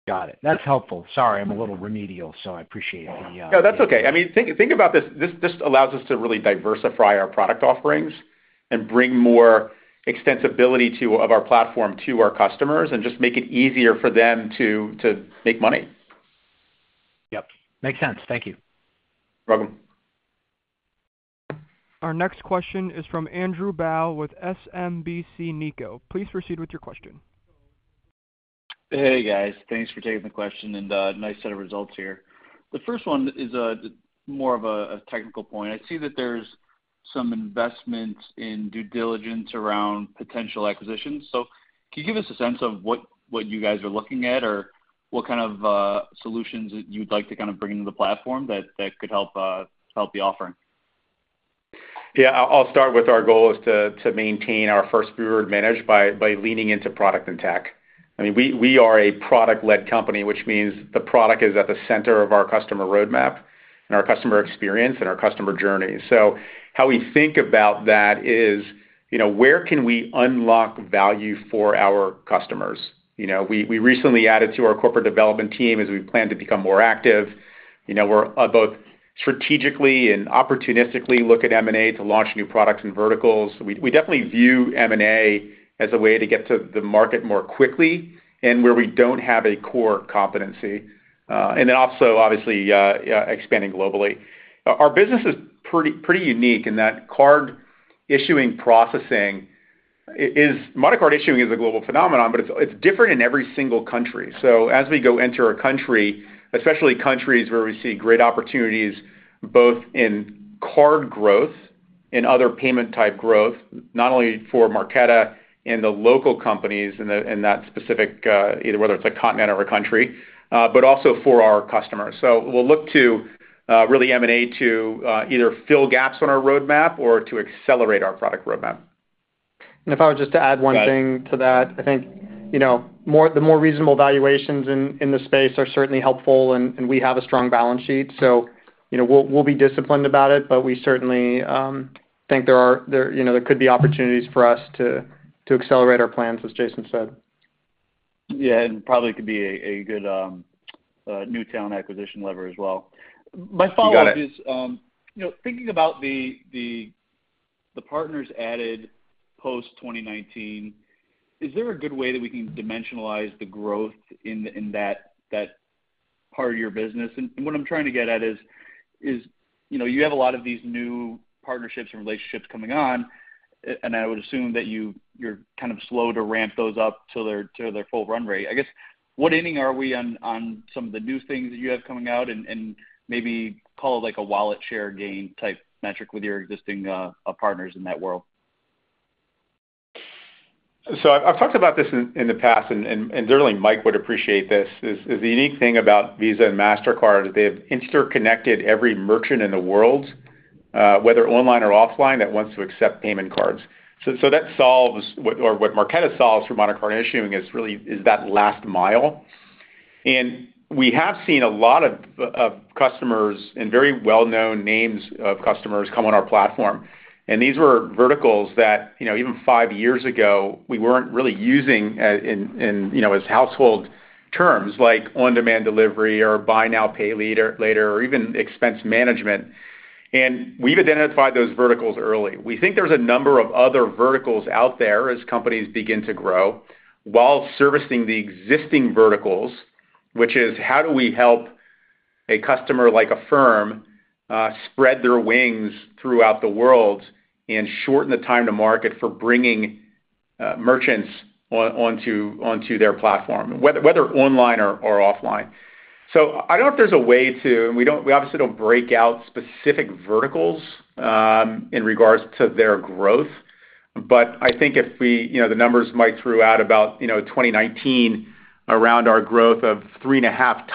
Got it. That's helpful. Sorry, I'm a little remedial, so I appreciate the No, that's okay. I mean, think about this. This allows us to really diversify our product offerings and bring more extensibility of our platform to our customers and just make it easier for them to make money. Yep. Makes sense. Thank you. You're welcome. Our next question is from Andrew Bauch with SMBC Nikko. Please proceed with your question. Hey, guys. Thanks for taking the question, and nice set of results here. The first one is more of a technical point. I see that there's some investment in due diligence around potential acquisitions. Can you give us a sense of what you guys are looking at or what kind of solutions you'd like to bring into the platform that could help the offering? Yeah. I'll start with our goal is to maintain our first-mover advantage by leaning into product and tech. I mean, we are a product-led company, which means the product is at the center of our customer roadmap and our customer experience and our customer journey. How we think about that is, you know, where can we unlock value for our customers? You know, we recently added to our corporate development team as we plan to become more active. You know, we're both strategically and opportunistically look at M&A to launch new products and verticals. We definitely view M&A as a way to get to the market more quickly and where we don't have a core competency, and then also obviously expanding globally. Our business is pretty unique in that modern card issuing is a global phenomenon, but it's different in every single country. As we go enter a country, especially countries where we see great opportunities both in card growth and other payment type growth, not only for Marqeta and the local companies in that specific, either whether it's a continent or a country, but also for our customers. We'll look to really M&A to either fill gaps on our roadmap or to accelerate our product roadmap. If I was just to add one thing. Go ahead. Add to that. I think, you know, the more reasonable valuations in the space are certainly helpful and we have a strong balance sheet. You know, we'll be disciplined about it, but we certainly think there are, you know, there could be opportunities for us to accelerate our plans, as Jason said. Yeah. Probably could be a good new talent acquisition lever as well. You got it. My follow-up is, you know, thinking about the partners added post-2019, is there a good way that we can dimensionalize the growth in that part of your business? What I'm trying to get at is, you know, you have a lot of these new partnerships and relationships coming on. I would assume that you're kind of slow to ramp those up to their full run rate. I guess, what inning are we on some of the new things that you have coming out and maybe call it like a wallet share gain type metric with your existing partners in that world? I've talked about this in the past, and certainly Mike would appreciate this is the unique thing about Visa and Mastercard is they have interconnected every merchant in the world, whether online or offline that wants to accept payment cards. What Marqeta solves for modern card issuing is really that last mile. We have seen a lot of customers and very well-known names of customers come on our platform. These were verticals that, you know, even five years ago we weren't really using in you know as household terms like on-demand delivery or buy now, pay later, or even expense management. We've identified those verticals early. We think there's a number of other verticals out there as companies begin to grow while servicing the existing verticals, which is how do we help a customer like Affirm spread their wings throughout the world and shorten the time to market for bringing merchants onto their platform, whether online or offline. We obviously don't break out specific verticals in regards to their growth. I think if we, you know, the numbers Mike threw out about, you know, 2019 around our growth of 3.5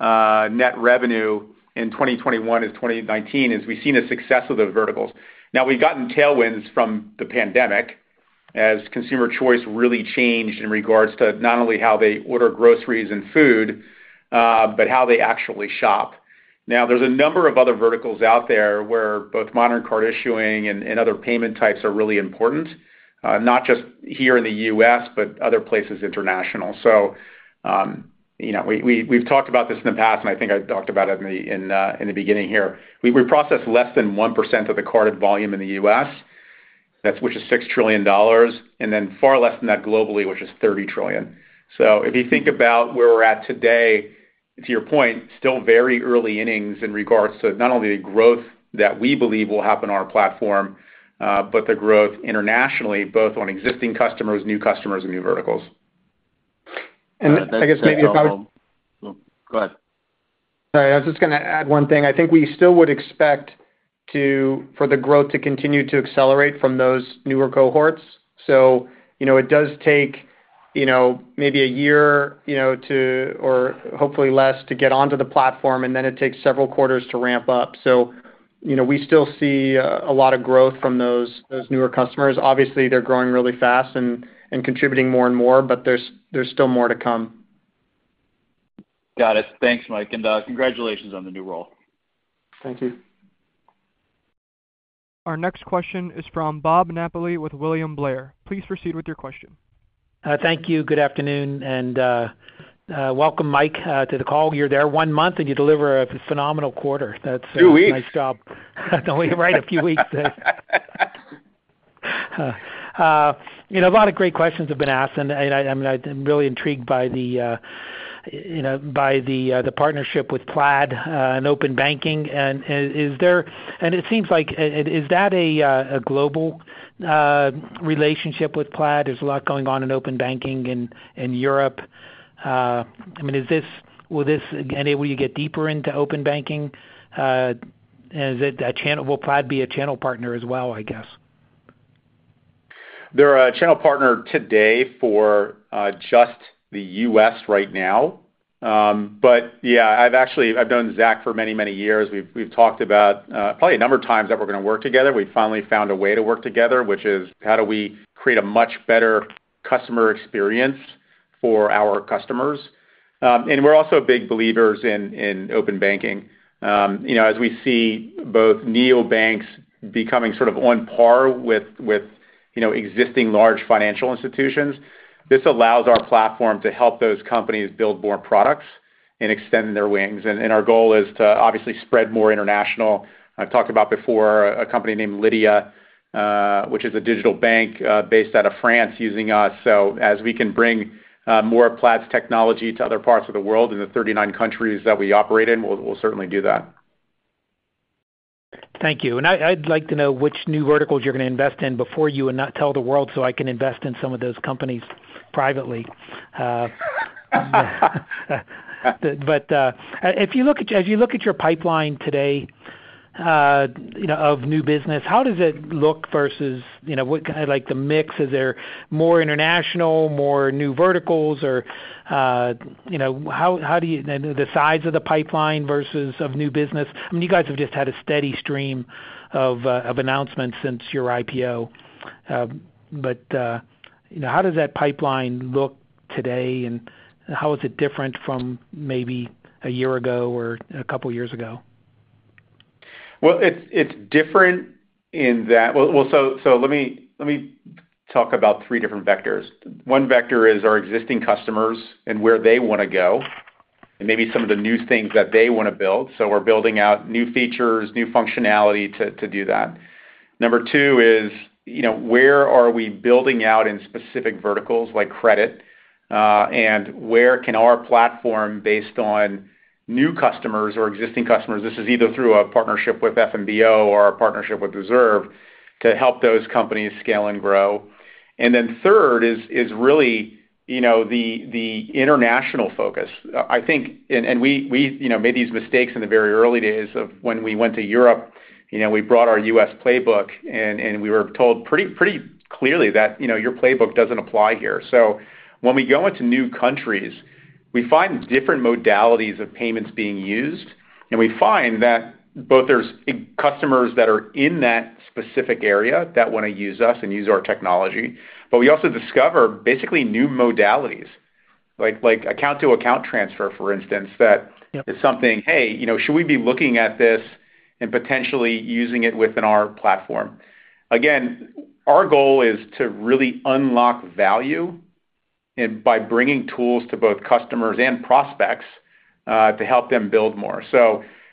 times net revenue in 2021 as 2019 is we've seen the success of those verticals. Now, we've gotten tailwinds from the pandemic as consumer choice really changed in regards to not only how they order groceries and food, but how they actually shop. Now, there's a number of other verticals out there where both modern card issuing and other payment types are really important, not just here in the U.S., but other places internationally. You know, we've talked about this in the past, and I think I talked about it in the beginning here. We process less than 1% of the card volume in the U.S. That's which is $6 trillion, and then far less than that globally, which is $30 trillion. If you think about where we're at today, to your point, still very early innings in regards to not only the growth that we believe will happen on our platform, but the growth internationally, both on existing customers, new customers, and new verticals. I guess maybe if I That's go ahead. Sorry, I was just gonna add one thing. I think we still would expect for the growth to continue to accelerate from those newer cohorts. You know, it does take, you know, maybe a year, you know, to or hopefully less to get onto the platform, and then it takes several quarters to ramp up. You know, we still see a lot of growth from those newer customers. Obviously, they're growing really fast and contributing more and more, but there's still more to come. Got it. Thanks, Mike, and congratulations on the new role. Thank you. Our next question is from Bob Napoli with William Blair. Please proceed with your question. Thank you. Good afternoon, and welcome Mike to the call. You're there one month, and you deliver a phenomenal quarter. That's Two weeks. Nice job. You're right, a few weeks. You know, a lot of great questions have been asked, and I'm really intrigued by you know, the partnership with Plaid and open banking. Is that a global relationship with Plaid? There's a lot going on in open banking in Europe. I mean, will you get deeper into open banking? Will Plaid be a channel partner as well, I guess? They're a channel partner today for just the U.S. right now. I've known Zach for many, many years. We've talked about probably a number of times that we're gonna work together. We finally found a way to work together, which is how do we create a much better customer experience for our customers. We're also big believers in open banking. You know, as we see both neobanks becoming sort of on par with you know, existing large financial institutions, this allows our platform to help those companies build more products and extend their wings. Our goal is to obviously spread more international. I've talked about before a company named Lydia, which is a digital bank based out of France using us. As we can bring more of Plaid's technology to other parts of the world in the 39 countries that we operate in, we'll certainly do that. Thank you. I'd like to know which new verticals you're gonna invest in before you and not tell the world so I can invest in some of those companies privately. If you look at your pipeline today, of new business, how does it look versus what kind of like the mix, is there more international, more new verticals or, how do you then the size of the pipeline versus of new business. I mean, you guys have just had a steady stream of announcements since your IPO. How does that pipeline look today, and how is it different from maybe a year ago or a couple years ago? Well, it's different in that. Well, let me talk about three different vectors. One vector is our existing customers and where they wanna go, and maybe some of the new things that they wanna build. We're building out new features, new functionality to do that. Number two is you know where we are building out in specific verticals like credit, and where our platform based on new customers or existing customers, this is either through a partnership with FNBO or a partnership with Deserve, can help those companies scale and grow. Third is really you know the international focus. I think and we you know made these mistakes in the very early days of when we went to Europe. You know, we brought our U.S. playbook and we were told pretty clearly that, you know, "Your playbook doesn't apply here." When we go into new countries, we find different modalities of payments being used, and we find that both there's customers that are in that specific area that wanna use us and use our technology, but we also discover basically new modalities, like account to account transfer, for instance, that Yep. This is something, "Hey, you know, should we be looking at this and potentially using it within our platform?" Again, our goal is to really unlock value and by bringing tools to both customers and prospects to help them build more.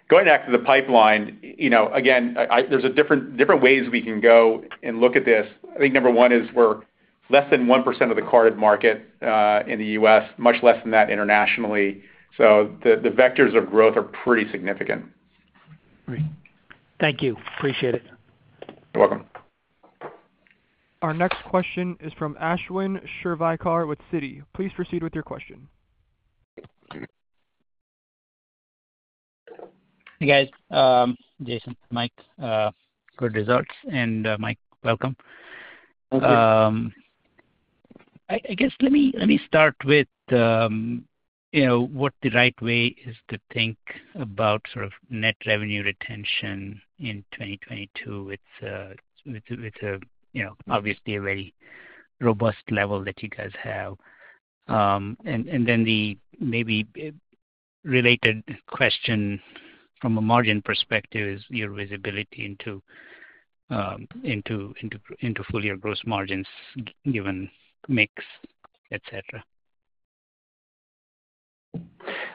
Going back to the pipeline, you know, again, there's different ways we can go and look at this. I think number one is we're less than 1% of the carded market in the U.S., much less than that internationally. The vectors of growth are pretty significant. Great. Thank you. Appreciate it. You're welcome. Our next question is from Ashwin Shirvaikar with Citi. Please proceed with your question. Hey, guys. Jason, Mike, good results. Mike, welcome. Thank you. I guess let me start with, you know, what the right way is to think about sort of net revenue retention in 2022. It's a, you know, obviously a very robust level that you guys have. Then the maybe related question from a margin perspective is your visibility into full year gross margins given mix, et cetera.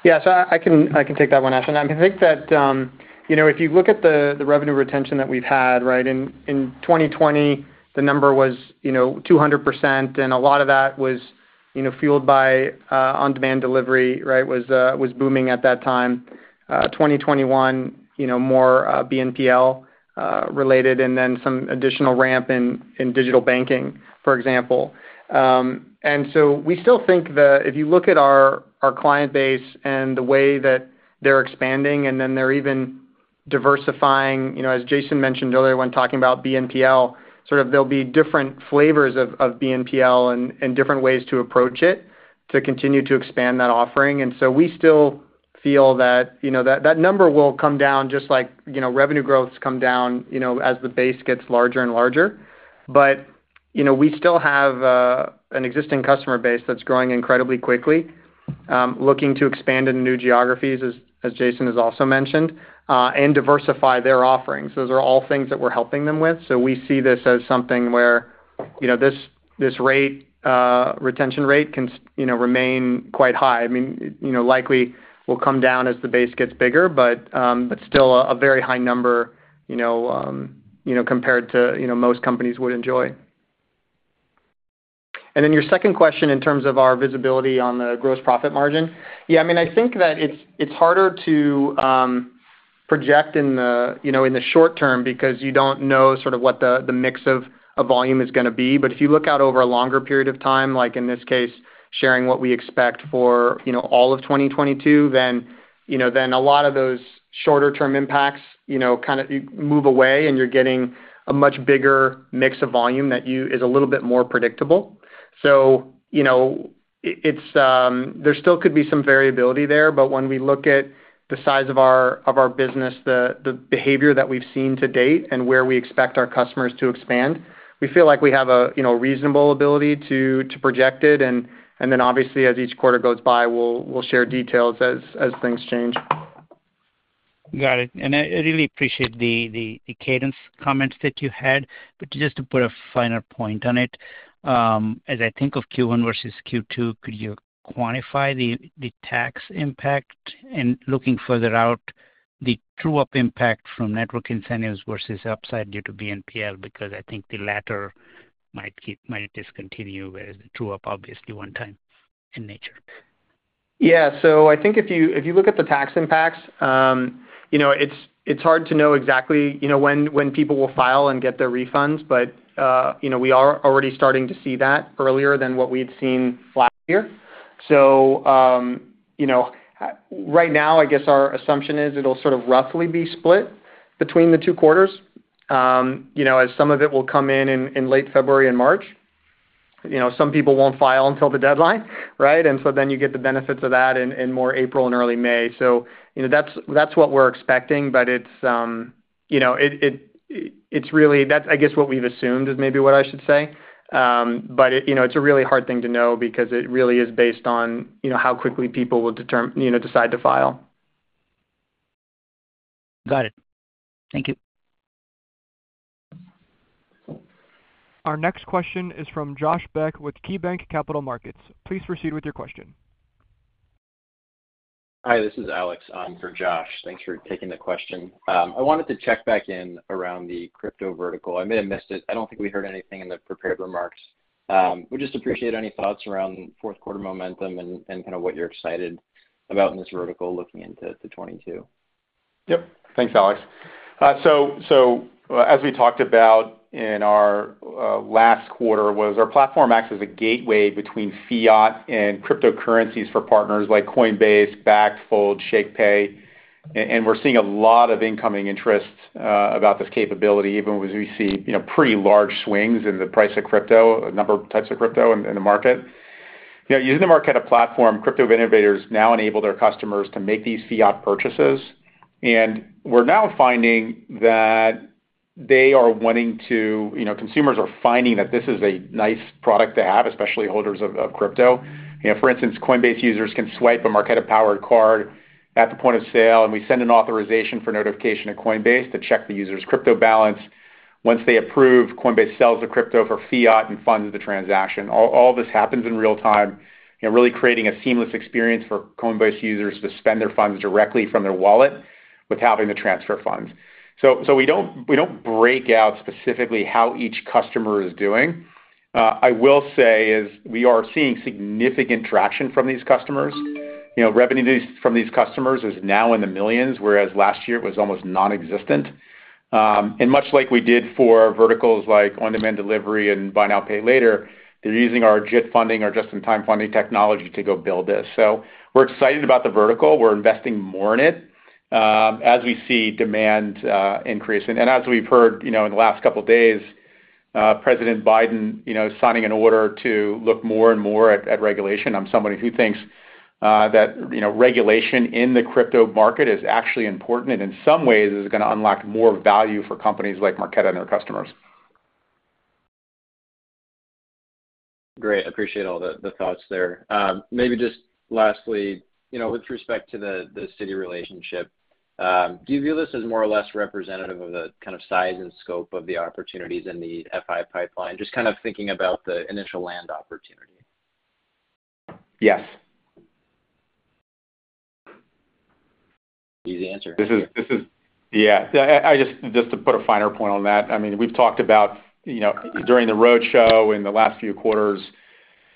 Yeah. I can take that one, Ashwin. I think that, you know, if you look at the revenue retention that we've had, right? In 2020, the number was, you know, 200%, and a lot of that was, you know, fueled by on-demand delivery, right? It was booming at that time. 2021, you know, more BNPL related, and then some additional ramp in digital banking, for example. We still think if you look at our client base and the way that they're expanding, and then they're even diversifying, you know, as Jason mentioned earlier when talking about BNPL, sort of there'll be different flavors of BNPL and different ways to approach it to continue to expand that offering. We still feel that, you know, that number will come down just like, you know, revenue growth's come down, you know, as the base gets larger and larger. But, you know, we still have an existing customer base that's growing incredibly quickly, looking to expand into new geographies as Jason has also mentioned, and diversify their offerings. Those are all things that we're helping them with. We see this as something where, you know, this retention rate can remain quite high. I mean, you know, likely will come down as the base gets bigger, but still a very high number, you know, compared to, you know, most companies would enjoy. Then your second question in terms of our visibility on the gross profit margin. Yeah, I mean, I think that it's harder to project in the short term because you don't know sort of what the mix of volume is gonna be. If you look out over a longer period of time, like in this case, sharing what we expect for all of 2022, then, you know, then a lot of those shorter term impacts kind of move away and you're getting a much bigger mix of volume that is a little bit more predictable. You know, it's there still could be some variability there, but when we look at the size of our business, the behavior that we've seen to date and where we expect our customers to expand, we feel like we have a you know, reasonable ability to project it. Then obviously as each quarter goes by, we'll share details as things change. Got it. I really appreciate the cadence comments that you had. Just to put a finer point on it, as I think of Q1 versus Q2, could you quantify the tax impact? And looking further out, the true-up impact from network incentives versus upside due to BNPL? Because I think the latter might discontinue, whereas the true-up obviously one time in nature. Yeah. I think if you look at the tax impacts, you know, it's hard to know exactly, you know, when people will file and get their refunds. You know, we are already starting to see that earlier than what we'd seen last year. You know, right now, I guess our assumption is it'll sort of roughly be split between the two quarters. You know, as some of it will come in late February and March. You know, some people won't file until the deadline, right? And so then you get the benefits of that in more April and early May. You know, that's what we're expecting. That's, I guess, what we've assumed is maybe what I should say. It's, you know, it's a really hard thing to know because it really is based on, you know, how quickly people will, you know, decide to file. Got it. Thank you. Our next question is from Josh Beck with KeyBanc Capital Markets. Please proceed with your question. Hi, this is Alex for Josh. Thanks for taking the question. I wanted to check back in around the crypto vertical. I may have missed it. I don't think we heard anything in the prepared remarks. Would just appreciate any thoughts around fourth quarter momentum and kinda what you're excited about in this vertical looking into 2022. Yep. Thanks, Alex. As we talked about in our last quarter, was our platform acts as a gateway between fiat and cryptocurrencies for partners like Coinbase, Bakkt, Fold, Shakepay. We're seeing a lot of incoming interest about this capability, even as we see pretty large swings in the price of crypto, a number of types of crypto in the market. Using the Marqeta platform, crypto innovators now enable their customers to make these fiat purchases. We're now finding that they are wanting to. Consumers are finding that this is a nice product to have, especially holders of crypto. For instance, Coinbase users can swipe a Marqeta powered card at the point of sale, and we send an authorization for notification to Coinbase to check the user's crypto balance. Once they approve, Coinbase sells the crypto for fiat and funds the transaction. All this happens in real-time, you know, really creating a seamless experience for Coinbase users to spend their funds directly from their wallet without having to transfer funds. We don't break out specifically how each customer is doing. I will say is we are seeing significant traction from these customers. You know, revenue gains from these customers is now in the millions, whereas last year it was almost nonexistent. And much like we did for verticals like on-demand delivery and buy now, pay later, they're using our JIT Funding or just-in-time funding technology to go build this. We're excited about the vertical. We're investing more in it as we see demand increase. As we've heard, you know, in the last couple days, President Biden, you know, signing an order to look more and more at regulation. I'm somebody who thinks that, you know, regulation in the crypto market is actually important, and in some ways is gonna unlock more value for companies like Marqeta and their customers. Great. Appreciate all the thoughts there. Maybe just lastly, you know, with respect to the Citi relationship, do you view this as more or less representative of the kind of size and scope of the opportunities in the FI pipeline? Just kind of thinking about the initial land opportunity. Yes. Easy answer. Just to put a finer point on that, I mean, we've talked about, you know, during the roadshow in the last few quarters,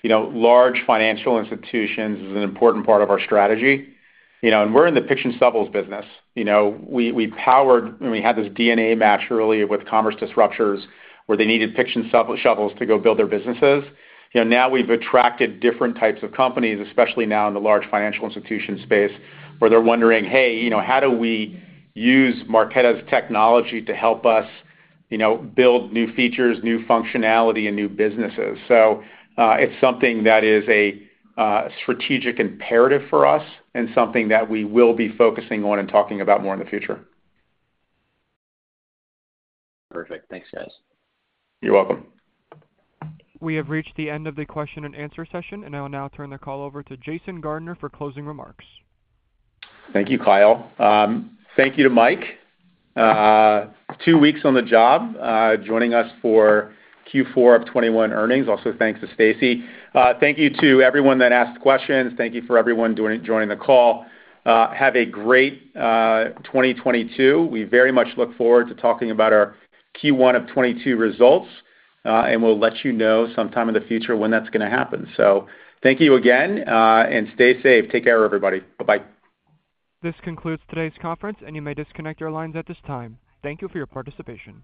you know, large financial institutions is an important part of our strategy. You know, and we're in the picks and shovels business. You know, we powered and we had this DNA match early with commerce disruptors where they needed picks and shovels to go build their businesses. You know, now we've attracted different types of companies, especially now in the large financial institution space, where they're wondering, "Hey, you know, how do we use Marqeta's technology to help us, you know, build new features, new functionality and new businesses?" It's something that is a strategic imperative for us and something that we will be focusing on and talking about more in the future. Perfect. Thanks, guys. You're welcome. We have reached the end of the question and answer session, and I'll now turn the call over to Jason Gardner for closing remarks. Thank you, Kyle. Thank you to Mike. Two weeks on the job, joining us for Q4 of 2021 earnings. Also, thanks to Stacey. Thank you to everyone that asked questions. Thank you for everyone joining the call. Have a great 2022. We very much look forward to talking about our Q1 of 2022 results, and we'll let you know sometime in the future when that's gonna happen. Thank you again, and stay safe. Take care, everybody. Bye-bye. This concludes today's conference, and you may disconnect your lines at this time. Thank you for your participation.